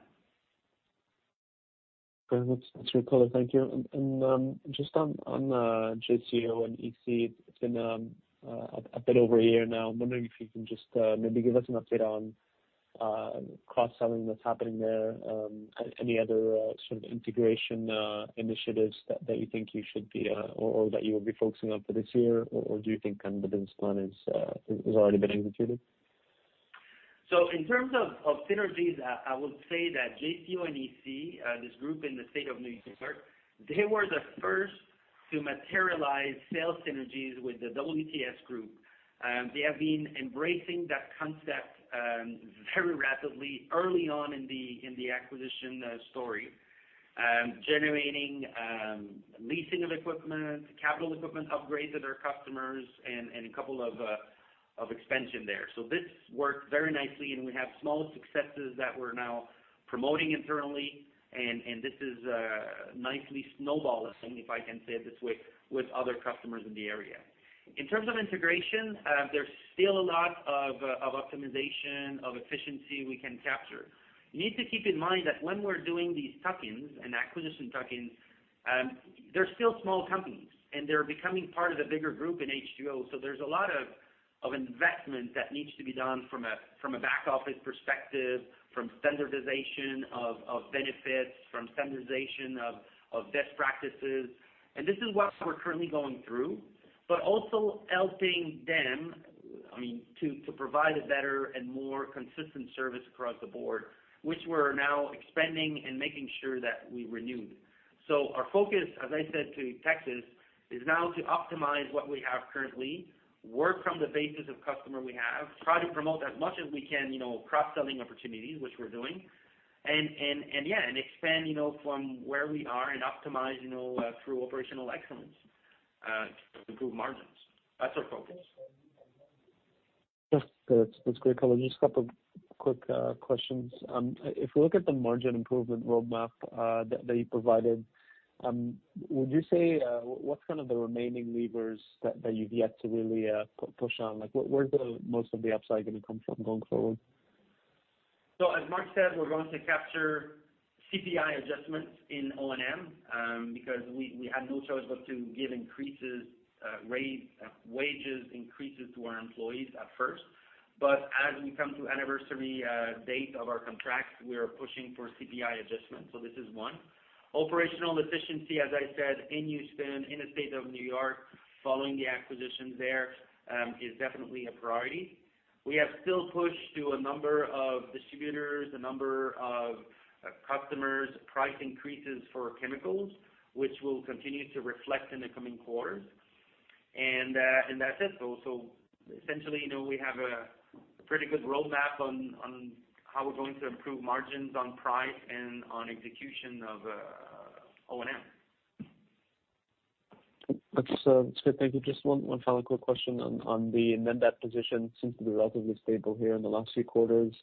Speaker 6: Great. That's really clear. Thank you. Just on JCO and EC, it's been a bit over a year now. I'm wondering if you can just maybe give us an update on cross-selling that's happening there, any other sort of integration initiatives that you think you should be or that you will be focusing on for this year, or do you think kind of the business plan has already been executed?
Speaker 3: In terms of synergies, I would say that JCO and EC, this group in the state of New York, they were the first to materialize sales synergies with the WTS group. They have been embracing that concept very rapidly early on in the, in the acquisition story, generating leasing of equipment, capital equipment upgrades of their customers and a couple of expansion there. This worked very nicely, and we have small successes that we're now promoting internally, and this is nicely snowballing, if I can say it this way, with other customers in the area. In terms of integration, there's still a lot of optimization, of efficiency we can capture. You need to keep in mind that when we're doing these tuck-ins and acquisition tuck-ins, they're still small companies, and they're becoming part of the bigger group in H2O. There's a lot of investment that needs to be done from a back office perspective, from standardization of benefits, from standardization of best practices. This is what we're currently going through, but also helping them, I mean, to provide a better and more consistent service across the board, which we're now expanding and making sure that we renew. Our focus, as I said to Texas, is now to optimize what we have currently, work from the basis of customer we have, try to promote as much as we can, you know, cross-selling opportunities, which we're doing. Yeah, and expand, you know, from where we are and optimize, you know, through operational excellence, to improve margins. That's our focus.
Speaker 6: That's great, color. Just a couple of quick questions. If we look at the margin improvement roadmap that you provided, would you say what's kind of the remaining levers that you've yet to really push on? Like, where is the most of the upside gonna come from going forward?
Speaker 3: As Marc said, we're going to capture CPI adjustments in O&M because we had no choice but to give increases, raise wages increases to our employees at first. As we come to anniversary date of our contracts, we are pushing for CPI adjustments. This is one. Operational efficiency, as I said, in Olean, in the state of New York, following the acquisitions there, is definitely a priority. We have still pushed to a number of distributors, a number of customers, price increases for chemicals, which will continue to reflect in the coming quarters. That's it. Essentially, you know, we have a pretty good roadmap on how we're going to improve margins on price and on execution of O&M.
Speaker 6: That's, that's good. Thank you. Just one final quick question on the net debt position seems to be relatively stable here in the last few quarters.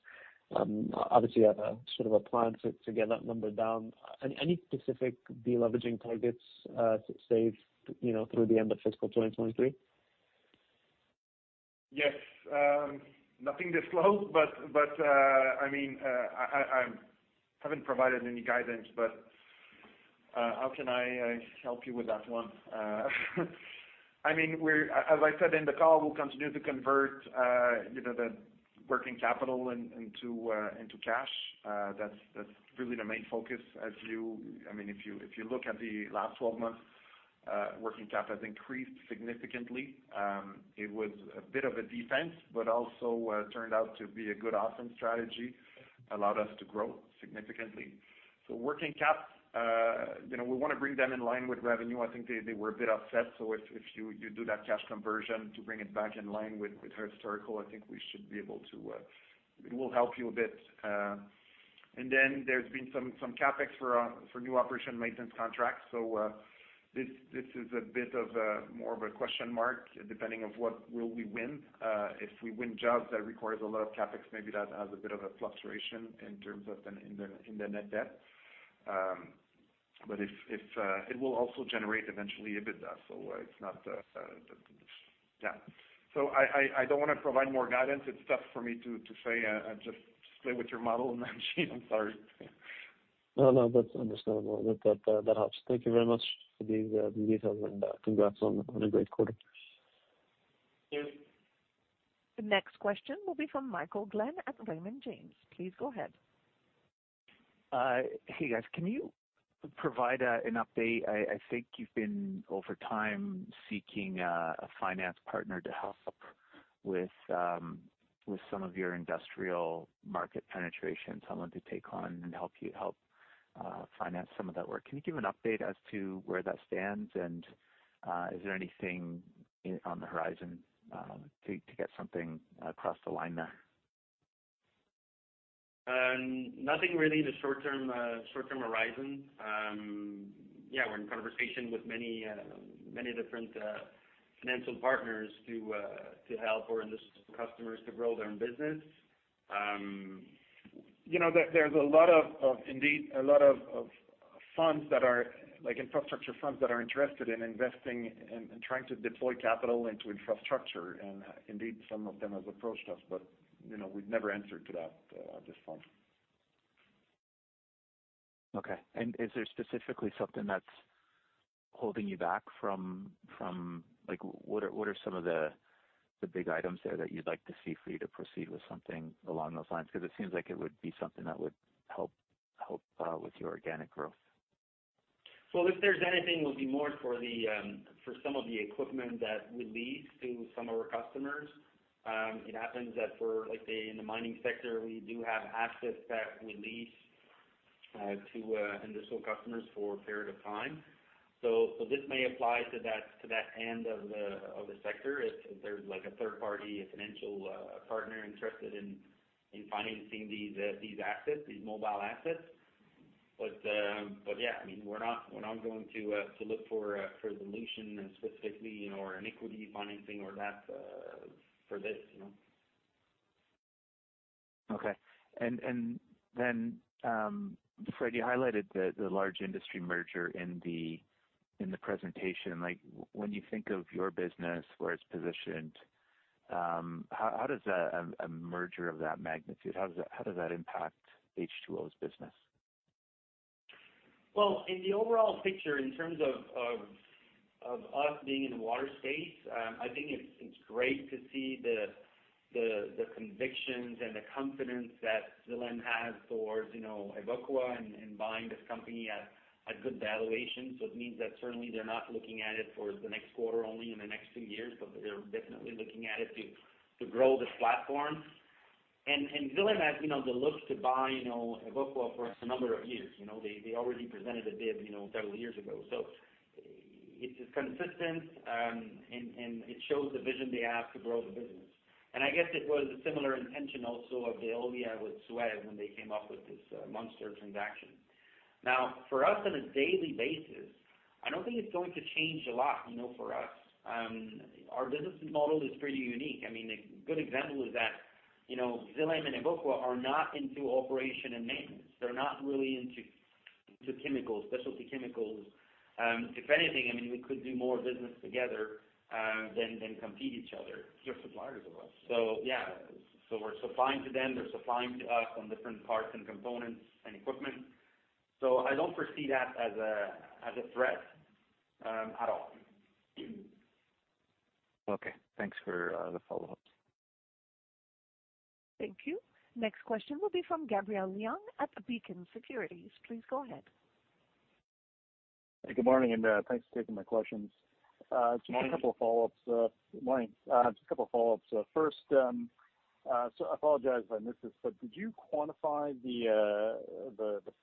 Speaker 6: Obviously you have a sort of a plan to get that number down. Any specific deleveraging targets, say, you know, through the end of fiscal 2023?
Speaker 2: Yes. Nothing disclosed, I mean, I haven't provided any guidance, but how can I help you with that one? I mean, as I said in the call, we'll continue to convert, you know, the working capital into cash. That's really the main focus as you. I mean, if you look at the last 12 months, working cap has increased significantly. It was a bit of a defense, but also, turned out to be a good offense strategy, allowed us to grow significantly. Working cap, you know, we wanna bring them in line with revenue. I think they were a bit offset. If you do that cash conversion to bring it back in line with historical, I think we should be able to, it will help you a bit. There's been some CAPEX for new operation maintenance contracts. This is a bit of a more of a question mark, depending of what will we win. If we win jobs that requires a lot of CAPEX, maybe that has a bit of a fluctuation in terms of the in the net debt. If it will also generate eventually EBITDA. It's not. Yeah. I don't wanna provide more guidance. It's tough for me to say, just play with your model, Machine. I'm sorry.
Speaker 6: No, no, that's understandable. That helps. Thank you very much for the details and congrats on a great quarter.
Speaker 3: Thank you.
Speaker 1: The next question will be from Michael Glen at Raymond James. Please go ahead.
Speaker 4: Hey, guys. Can you provide an update? I think you've been over time seeking a finance partner to help with some of your industrial market penetration, someone to take on and help you help finance some of that work. Can you give an update as to where that stands? Is there anything on the horizon to get something across the line there? Nothing really in the short term, short term horizon. Yeah, we're in conversation with many different financial partners to help our industrial customers to grow their own business.
Speaker 3: You know, there's a lot of indeed a lot of funds that are like infrastructure funds that are interested in investing and trying to deploy capital into infrastructure. Indeed, some of them have approached us. You know, we've never entered to that at this point.
Speaker 4: Okay. Is there specifically something that's holding you back from like what are some of the big items there that you'd like to see Frédéric to proceed with something along those lines? Because it seems like it would be something that would help with your organic growth?
Speaker 3: Well, if there's anything, it would be more for the, for some of the equipment that we lease to some of our customers. It happens that we're like a, in the mining sector, we do have assets that we lease to industrial customers for a period of time. This may apply to that end of the sector if there's like a third party, a financial partner interested in financing these assets, these mobile assets. Yeah, I mean, we're not, we're not going to look for a solution and specifically, you know, or an equity financing or that for this, you know.
Speaker 4: Okay. Fréd, you highlighted the large industry merger in the presentation. Like when you think of your business, where it's positioned, how does a merger of that magnitude, how does that impact H2O Innovation's business?
Speaker 3: In the overall picture, in terms of us being in the water space, I think it's great to see the convictions and the confidence that Veolia has towards, you know, Evoqua and buying this company at good valuations. It means that certainly they're not looking at it for the next quarter only in the next two years, but they're definitely looking at it to grow this platform. Veolia has, you know, the looks to buy, you know, Evoqua for a number of years. You know, they already presented a bid, you know, several years ago. It's consistent and it shows the vision they have to grow the business. I guess it was a similar intention also of Veolia with Suez when they came up with this monster transaction. Now, for us on a daily basis, I don't think it's going to change a lot, you know, for us. Our business model is pretty unique. I mean, a good example is that, you know, Veolia and Evoqua are not into operation and maintenance. They're not really into chemicals, specialty chemicals. If anything, I mean, we could do more business together than compete each other.
Speaker 4: They're suppliers of us.
Speaker 3: Yeah. We're supplying to them, they're supplying to us on different parts and components and equipment. I don't foresee that as a, as a threat at all.
Speaker 4: Okay. Thanks for the follow-ups.
Speaker 1: Thank you. Next question will be from Gabriel Leung at Beacon Securities. Please go ahead.
Speaker 7: Good morning. Thanks for taking my questions.
Speaker 3: Good morning.
Speaker 7: Just a couple of follow-ups. Good morning. Just a couple of follow-ups. First, I apologize if I missed this, but did you quantify the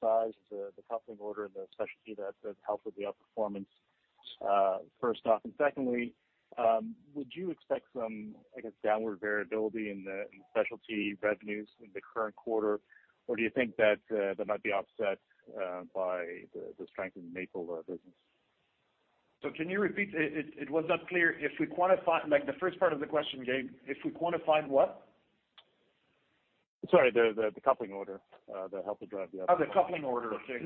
Speaker 7: size, the coupling order and the specialty that helped with the outperformance, first off? Secondly, would you expect some, I guess, downward variability in specialty revenues in the current quarter? Do you think that might be offset by the strength in the maple business?
Speaker 3: Can you repeat? It was not clear. Like the first part of the question, Gabe, if we quantified what?
Speaker 7: Sorry, the coupling order, that helped to drive.
Speaker 3: The coupling order. Okay.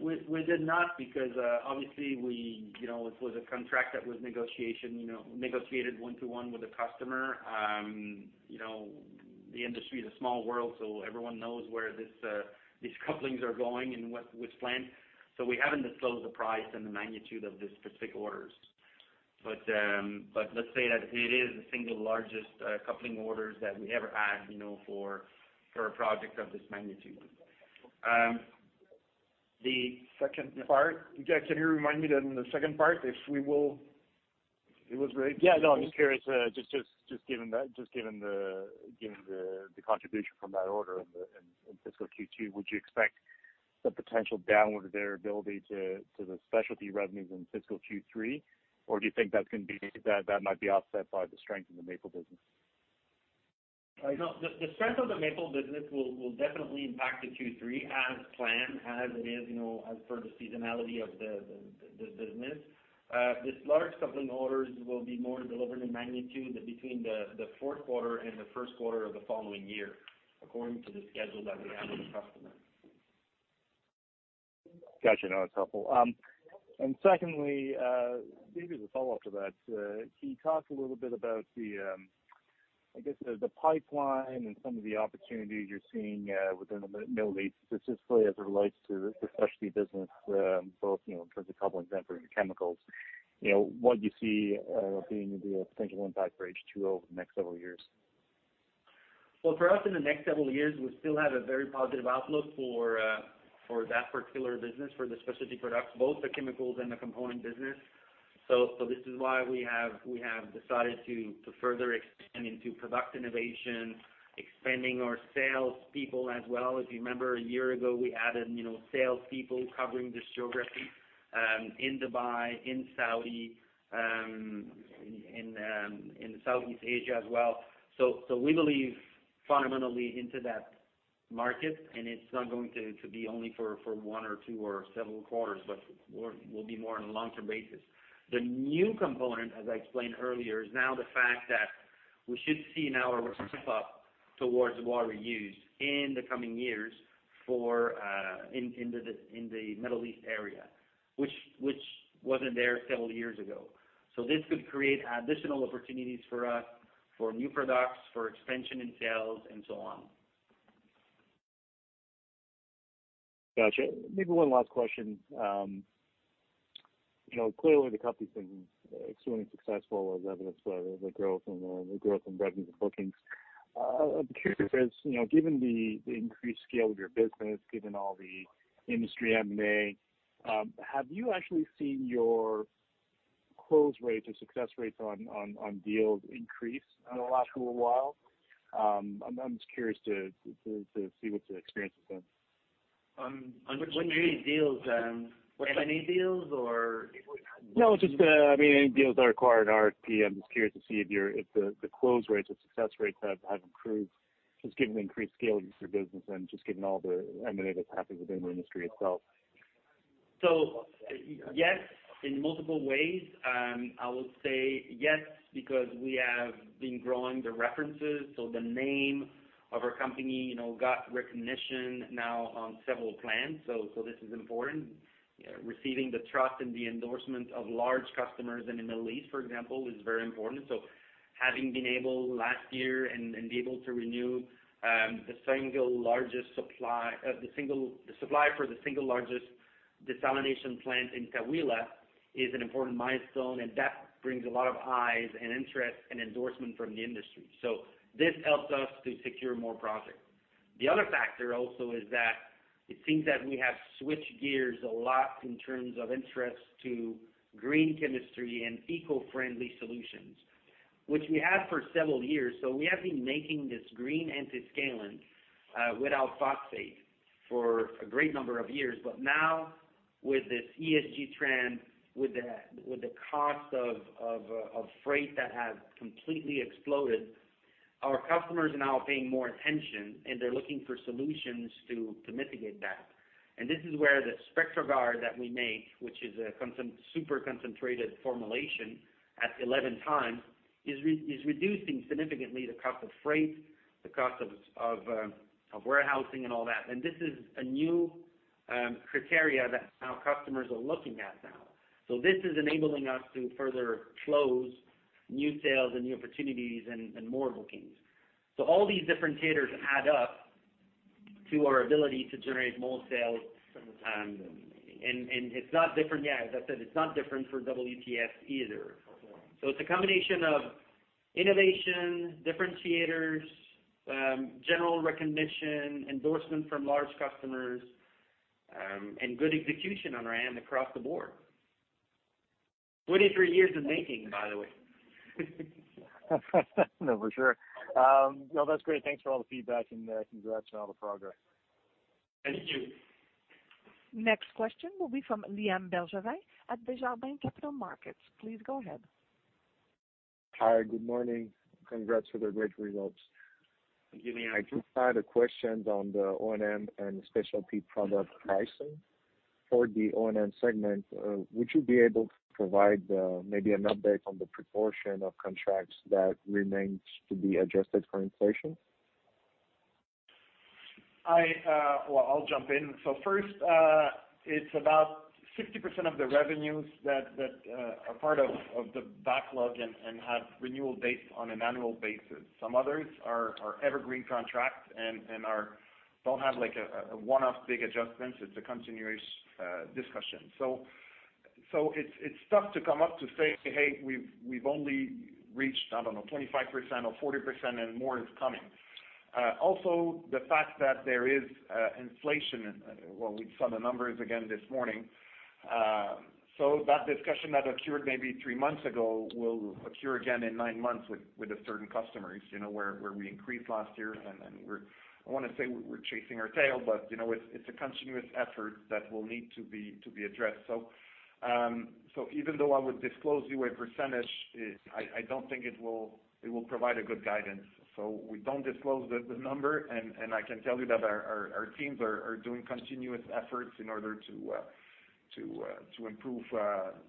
Speaker 3: We did not because obviously we, you know, it was a contract that was negotiated one-to-one with the customer. You know, the industry is a small world, everyone knows where these couplings are going and what, which plant. We haven't disclosed the price and the magnitude of the specific orders. Let's say that it is the single largest coupling orders that we ever had, you know, for a project of this magnitude. The second part. Gabe, can you remind me the second part?
Speaker 7: Yeah. No, I'm just curious, just given that, just given the contribution from that order in fiscal Q2, would you expect some potential downward variability to the specialty revenues in fiscal Q3? Or do you think that might be offset by the strength in the maple business?
Speaker 3: No. The strength of the maple business will definitely impact the Q3 as planned, as it is, you know, as per the seasonality of the business. This large coupling orders will be more delivered in magnitude between the fourth quarter and the first quarter of the following year, according to the schedule that we have with the customer.
Speaker 7: Got you. No, it's helpful. Secondly, maybe as a follow-up to that, can you talk a little bit about the, I guess the pipeline and some of the opportunities you're seeing, within the Middle East, specifically as it relates to the specialty business, both, you know, in terms of coupling and for chemicals, you know, what you see, being the potential impact for H2O over the next several years?
Speaker 3: Well, for us in the next several years, we still have a very positive outlook for for that particular business, for the specialty products, both the chemicals and the component business. This is why we have decided to further expand into product innovation, expanding our sales people as well. If you remember a year ago, we added, you know, sales people covering this geography in Dubai, in Saudi, in Southeast Asia as well. We believe fundamentally into that market, and it's not going to be only for one or two or several quarters, but will be more on a long-term basis. The new component, as I explained earlier, is now the fact that we should see now a step up towards water reuse in the coming years for in the Middle East area, which wasn't there several years ago. This could create additional opportunities for us for new products, for expansion in sales, and so on.
Speaker 7: Gotcha. Maybe one last question. You know, clearly the company's been extremely successful as evidenced by the growth in revenues and bookings. I'm curious, you know, given the increased scale of your business, given all the industry M&A, have you actually seen your close rates or success rates on deals increase in the last little while? I'm just curious to see what your experience has been.
Speaker 3: On which deals? M&A deals or?
Speaker 7: No, just, I mean, any deals that require an RFP. I'm just curious to see if your, if the close rates or success rates have improved just given the increased scale of your business and just given all the M&A that's happened within the industry itself?
Speaker 3: Yes, in multiple ways. I would say yes, because we have been growing the references, so the name of our company, you know, got recognition now on several plans. This is important. Receiving the trust and the endorsement of large customers in the Middle East, for example, is very important. Having been able last year and be able to renew the supply for the single largest desalination plant in Taweelah is an important milestone, and that brings a lot of eyes and interest and endorsement from the industry. This helps us to secure more projects. The other factor also is that it seems that we have switched gears a lot in terms of interest to green chemistry and eco-friendly solutions, which we have for several years. We have been making this green antiscalant without phosphate for a great number of years. Now with this ESG trend, with the cost of freight that has completely exploded, our customers are now paying more attention, and they're looking for solutions to mitigate that. This is where the SpectraGuard that we make, which is a super concentrated formulation at 11 times, is reducing significantly the cost of freight, the cost of warehousing and all that. This is a new criteria that our customers are looking at now. This is enabling us to further close new sales and new opportunities and more bookings. All these differentiators add up to our ability to generate more sales from the time. It's not different, yeah, as I said, it's not different for WTS either. It's a combination of innovation, differentiators, general recognition, endorsement from large customers, and good execution on our end across the board. 23 years in making, by the way.
Speaker 7: No, for sure. No, that's great. Thanks for all the feedback and congrats on all the progress.
Speaker 3: Thank you.
Speaker 1: Next question will be from Liam Bergevin at Desjardins Capital Markets. Please go ahead.
Speaker 8: Hi. Good morning. Congrats for the great results.
Speaker 3: Thank you, Liam.
Speaker 8: I just had a question on the O&M and specialty product pricing. For the O&M segment, would you be able to provide, maybe an update on the proportion of contracts that remains to be adjusted for inflation?
Speaker 3: I... Well, I'll jump in. First, it's about 60% of the revenues that are part of the backlog and have renewal dates on an annual basis. Some others are evergreen contracts and don't have like a one-off big adjustments. It's a continuous discussion. It's tough to come up to say, "Hey, we've only reached, I don't know, 25% or 40% and more is coming." Also the fact that there is inflation, well, we saw the numbers again this morning. That discussion that occurred maybe three months ago will occur again in nine months with the certain customers, you know, where we increased last year and then I don't wanna say we're chasing our tail, but, you know, it's a continuous effort that will need to be addressed. Even though I would disclose you a %, I don't think it will provide a good guidance. We don't disclose the number, and I can tell you that our teams are doing continuous efforts in order to improve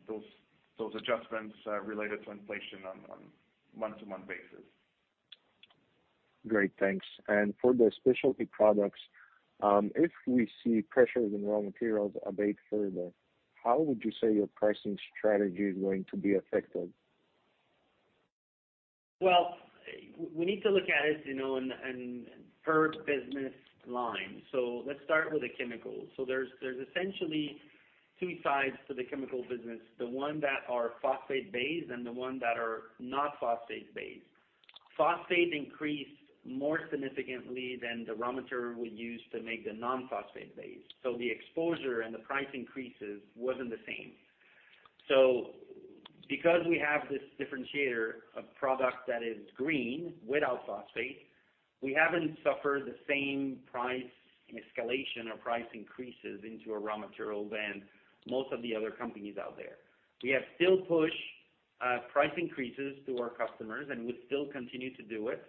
Speaker 3: those adjustments related to inflation on month-to-month basis.
Speaker 8: Great. Thanks. For the Specialty Products, if we see pressures in raw materials abate further, how would you say your pricing strategy is going to be affected?
Speaker 3: Well, we need to look at it, you know, in per business line. Let's start with the chemicals. There's essentially two sides to the chemical business, the one that are phosphate-based and the one that are not phosphate-based. Phosphate increased more significantly than the raw material we use to make the non-phosphate-based. The exposure and the price increases wasn't the same. Because we have this differentiator of product that is green without phosphate, we haven't suffered the same price escalation or price increases into our raw materials than most of the other companies out there. We have still pushed price increases to our customers, and we still continue to do it.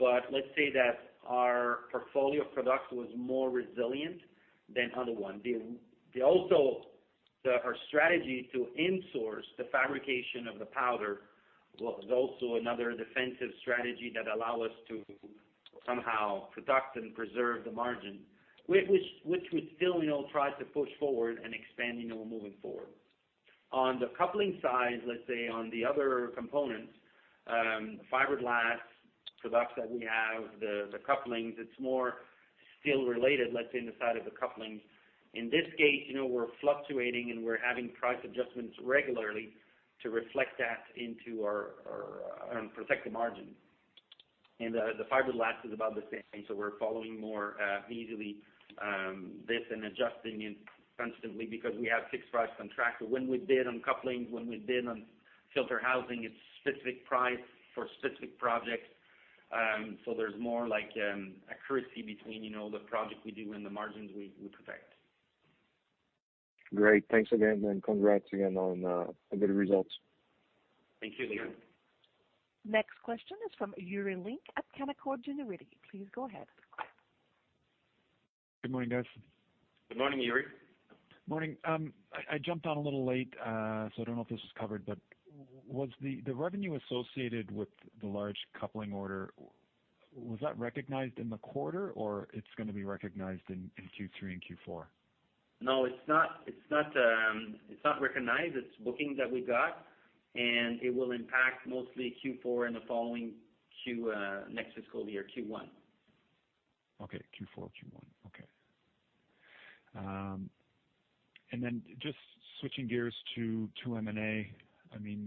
Speaker 3: Let's say that our portfolio of products was more resilient than other ones. Our strategy to in-source the fabrication of the powder was also another defensive strategy that allow us to somehow protect and preserve the margin, which we still, you know, try to push forward and expand, you know, moving forward. On the coupling side, let's say on the other components, fiberglass products that we have, the couplings, it's more steel related, let's say, in the side of the couplings. In this case, you know, we're fluctuating, and we're having price adjustments regularly to reflect that into our, protect the margin. The fiberglass is about the same. We're following more easily this and adjusting it constantly because we have fixed price contracts. When we bid on couplings, when we bid on filter housing, it's specific price for specific projects. There's more like accuracy between, you know, the project we do and the margins we protect.
Speaker 8: Great. Thanks again. Congrats again on the good results.
Speaker 3: Thank you, Liam.
Speaker 1: Next question is from Yuri Lynk at Canaccord Genuity. Please go ahead.
Speaker 9: Good morning, guys.
Speaker 3: Good morning, Yuri.
Speaker 9: Morning. I jumped on a little late, so I don't know if this was covered, but was the revenue associated with the large coupling order, was that recognized in the quarter or it's gonna be recognized in Q3 and Q4?
Speaker 3: No, it's not. It's not recognized. It's bookings that we got. It will impact mostly Q4 and the following Q, next fiscal year, Q1.
Speaker 9: Okay. Q4, Q1. Okay. Just switching gears to M&A. I mean,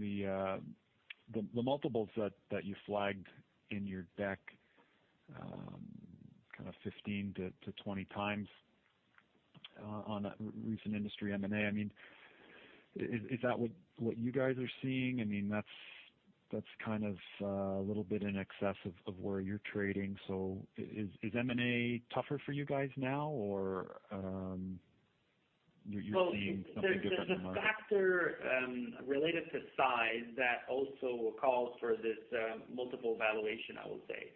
Speaker 9: the multiples that you flagged in your deck, kind of 15-20x on that recent industry M&A. I mean, is that what you guys are seeing? I mean, that's kind of a little bit in excess of where you're trading. Is M&A tougher for you guys now or you're seeing something different in the market?
Speaker 3: Well, there's a factor related to size that also calls for this multiple valuation, I would say.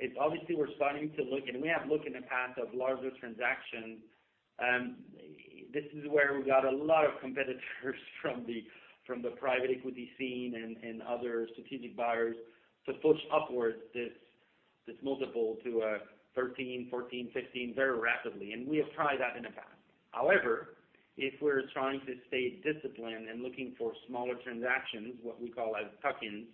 Speaker 3: It's obviously we're starting to look and we have looked in the past of larger transactions. This is where we got a lot of competitors from the private equity scene and other strategic buyers to push upwards this multiple to 13, 14, 15 very rapidly, and we have tried that in the past. However, if we're trying to stay disciplined and looking for smaller transactions, what we call as tuck-ins,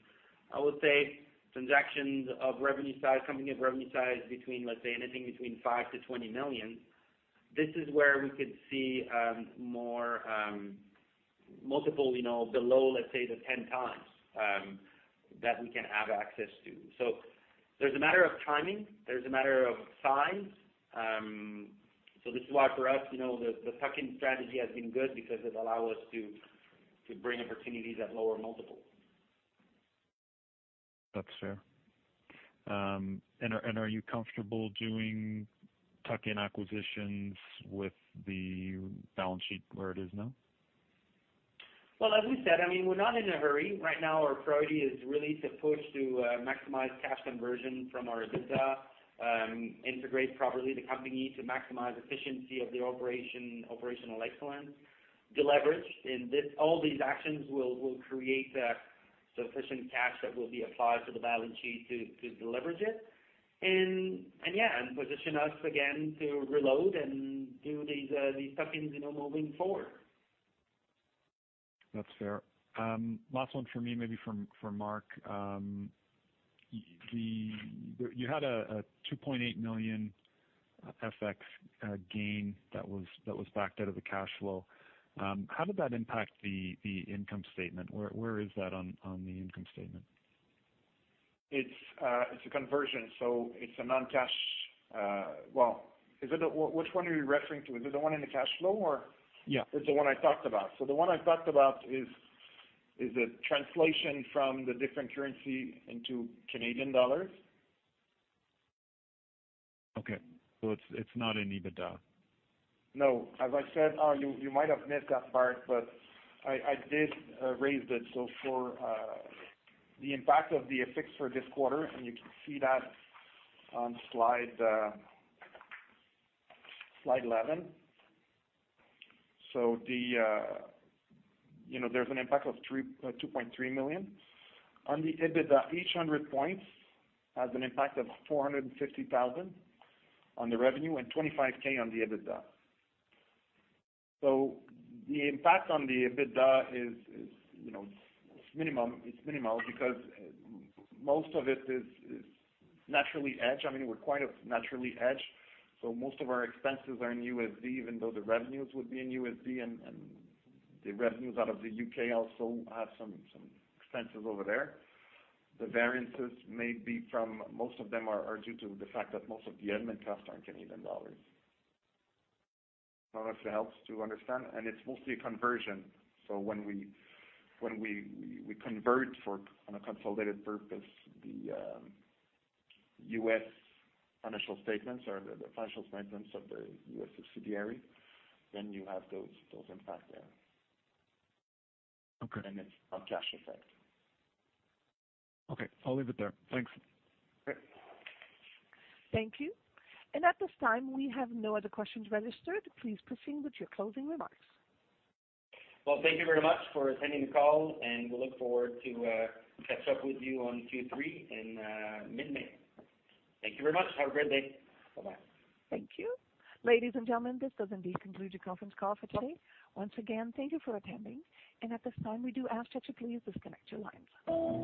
Speaker 3: I would say transactions of revenue size, company of revenue size between, let's say, anything between 5 million-20 million, this is where we could see more multiple, you know, below, let's say, the 10 times that we can have access to. There's a matter of timing, there's a matter of size. This is why for us, you know, the tuck-in strategy has been good because it allow us to bring opportunities at lower multiples.
Speaker 9: That's fair. Are you comfortable doing tuck-in acquisitions with the balance sheet where it is now?
Speaker 3: Well, as we said, I mean, we're not in a hurry. Right now, our priority is really to push to maximize cash conversion from our EBITDA, integrate properly the company to maximize efficiency of the operation, operational excellence, deleverage. All these actions will create sufficient cash that will be applied to the balance sheet to deleverage it and yeah, and position us again to reload and do these tuck-ins, you know, moving forward.
Speaker 9: That's fair. Last one for me, maybe for Marc. You had a 2.8 million FX gain that was backed out of the cash flow. How did that impact the income statement? Where is that on the income statement?
Speaker 2: It's a conversion, so it's a non-cash. Well, is it which one are you referring to? Is it the one in the cash flow?
Speaker 9: Yeah.
Speaker 2: It's the one I talked about? The one I talked about is a translation from the different currency into Canadian dollars.
Speaker 9: Okay. It's not in EBITDA.
Speaker 2: No. As I said, you might have missed that part, but I did raised it. For the impact of the FX for this quarter, and you can see that on slide 11. The, you know, there's an impact of $2.3 million. On the EBITDA, each 100 points has an impact of $450,000 on the revenue and $25K on the EBITDA. The impact on the EBITDA is, you know, it's minimum. It's minimal because most of it is naturally hedged. I mean, we're quite naturally hedged. Most of our expenses are in USD, even though the revenues would be in USD and the revenues out of the U.K. also have some expenses over there. The variances may be most of them are due to the fact that most of the admin costs are in Canadian dollars. I don't know if it helps to understand, it's mostly a conversion. When we convert for, on a consolidated purpose, the U.S. financial statements or the financial statements of the U.S. subsidiary, then you have those impact there.
Speaker 9: Okay.
Speaker 2: It's a cash effect.
Speaker 9: Okay. I'll leave it there. Thanks.
Speaker 2: Great.
Speaker 1: Thank you. At this time, we have no other questions registered. Please proceed with your closing remarks.
Speaker 3: Well, thank you very much for attending the call. We look forward to catch up with you on Q3 in mid-May. Thank you very much. Have a great day. Bye-bye.
Speaker 1: Thank you. Ladies and gentlemen, this does indeed conclude the conference call for today. Once again, thank you for attending. At this time, we do ask that you please disconnect your lines.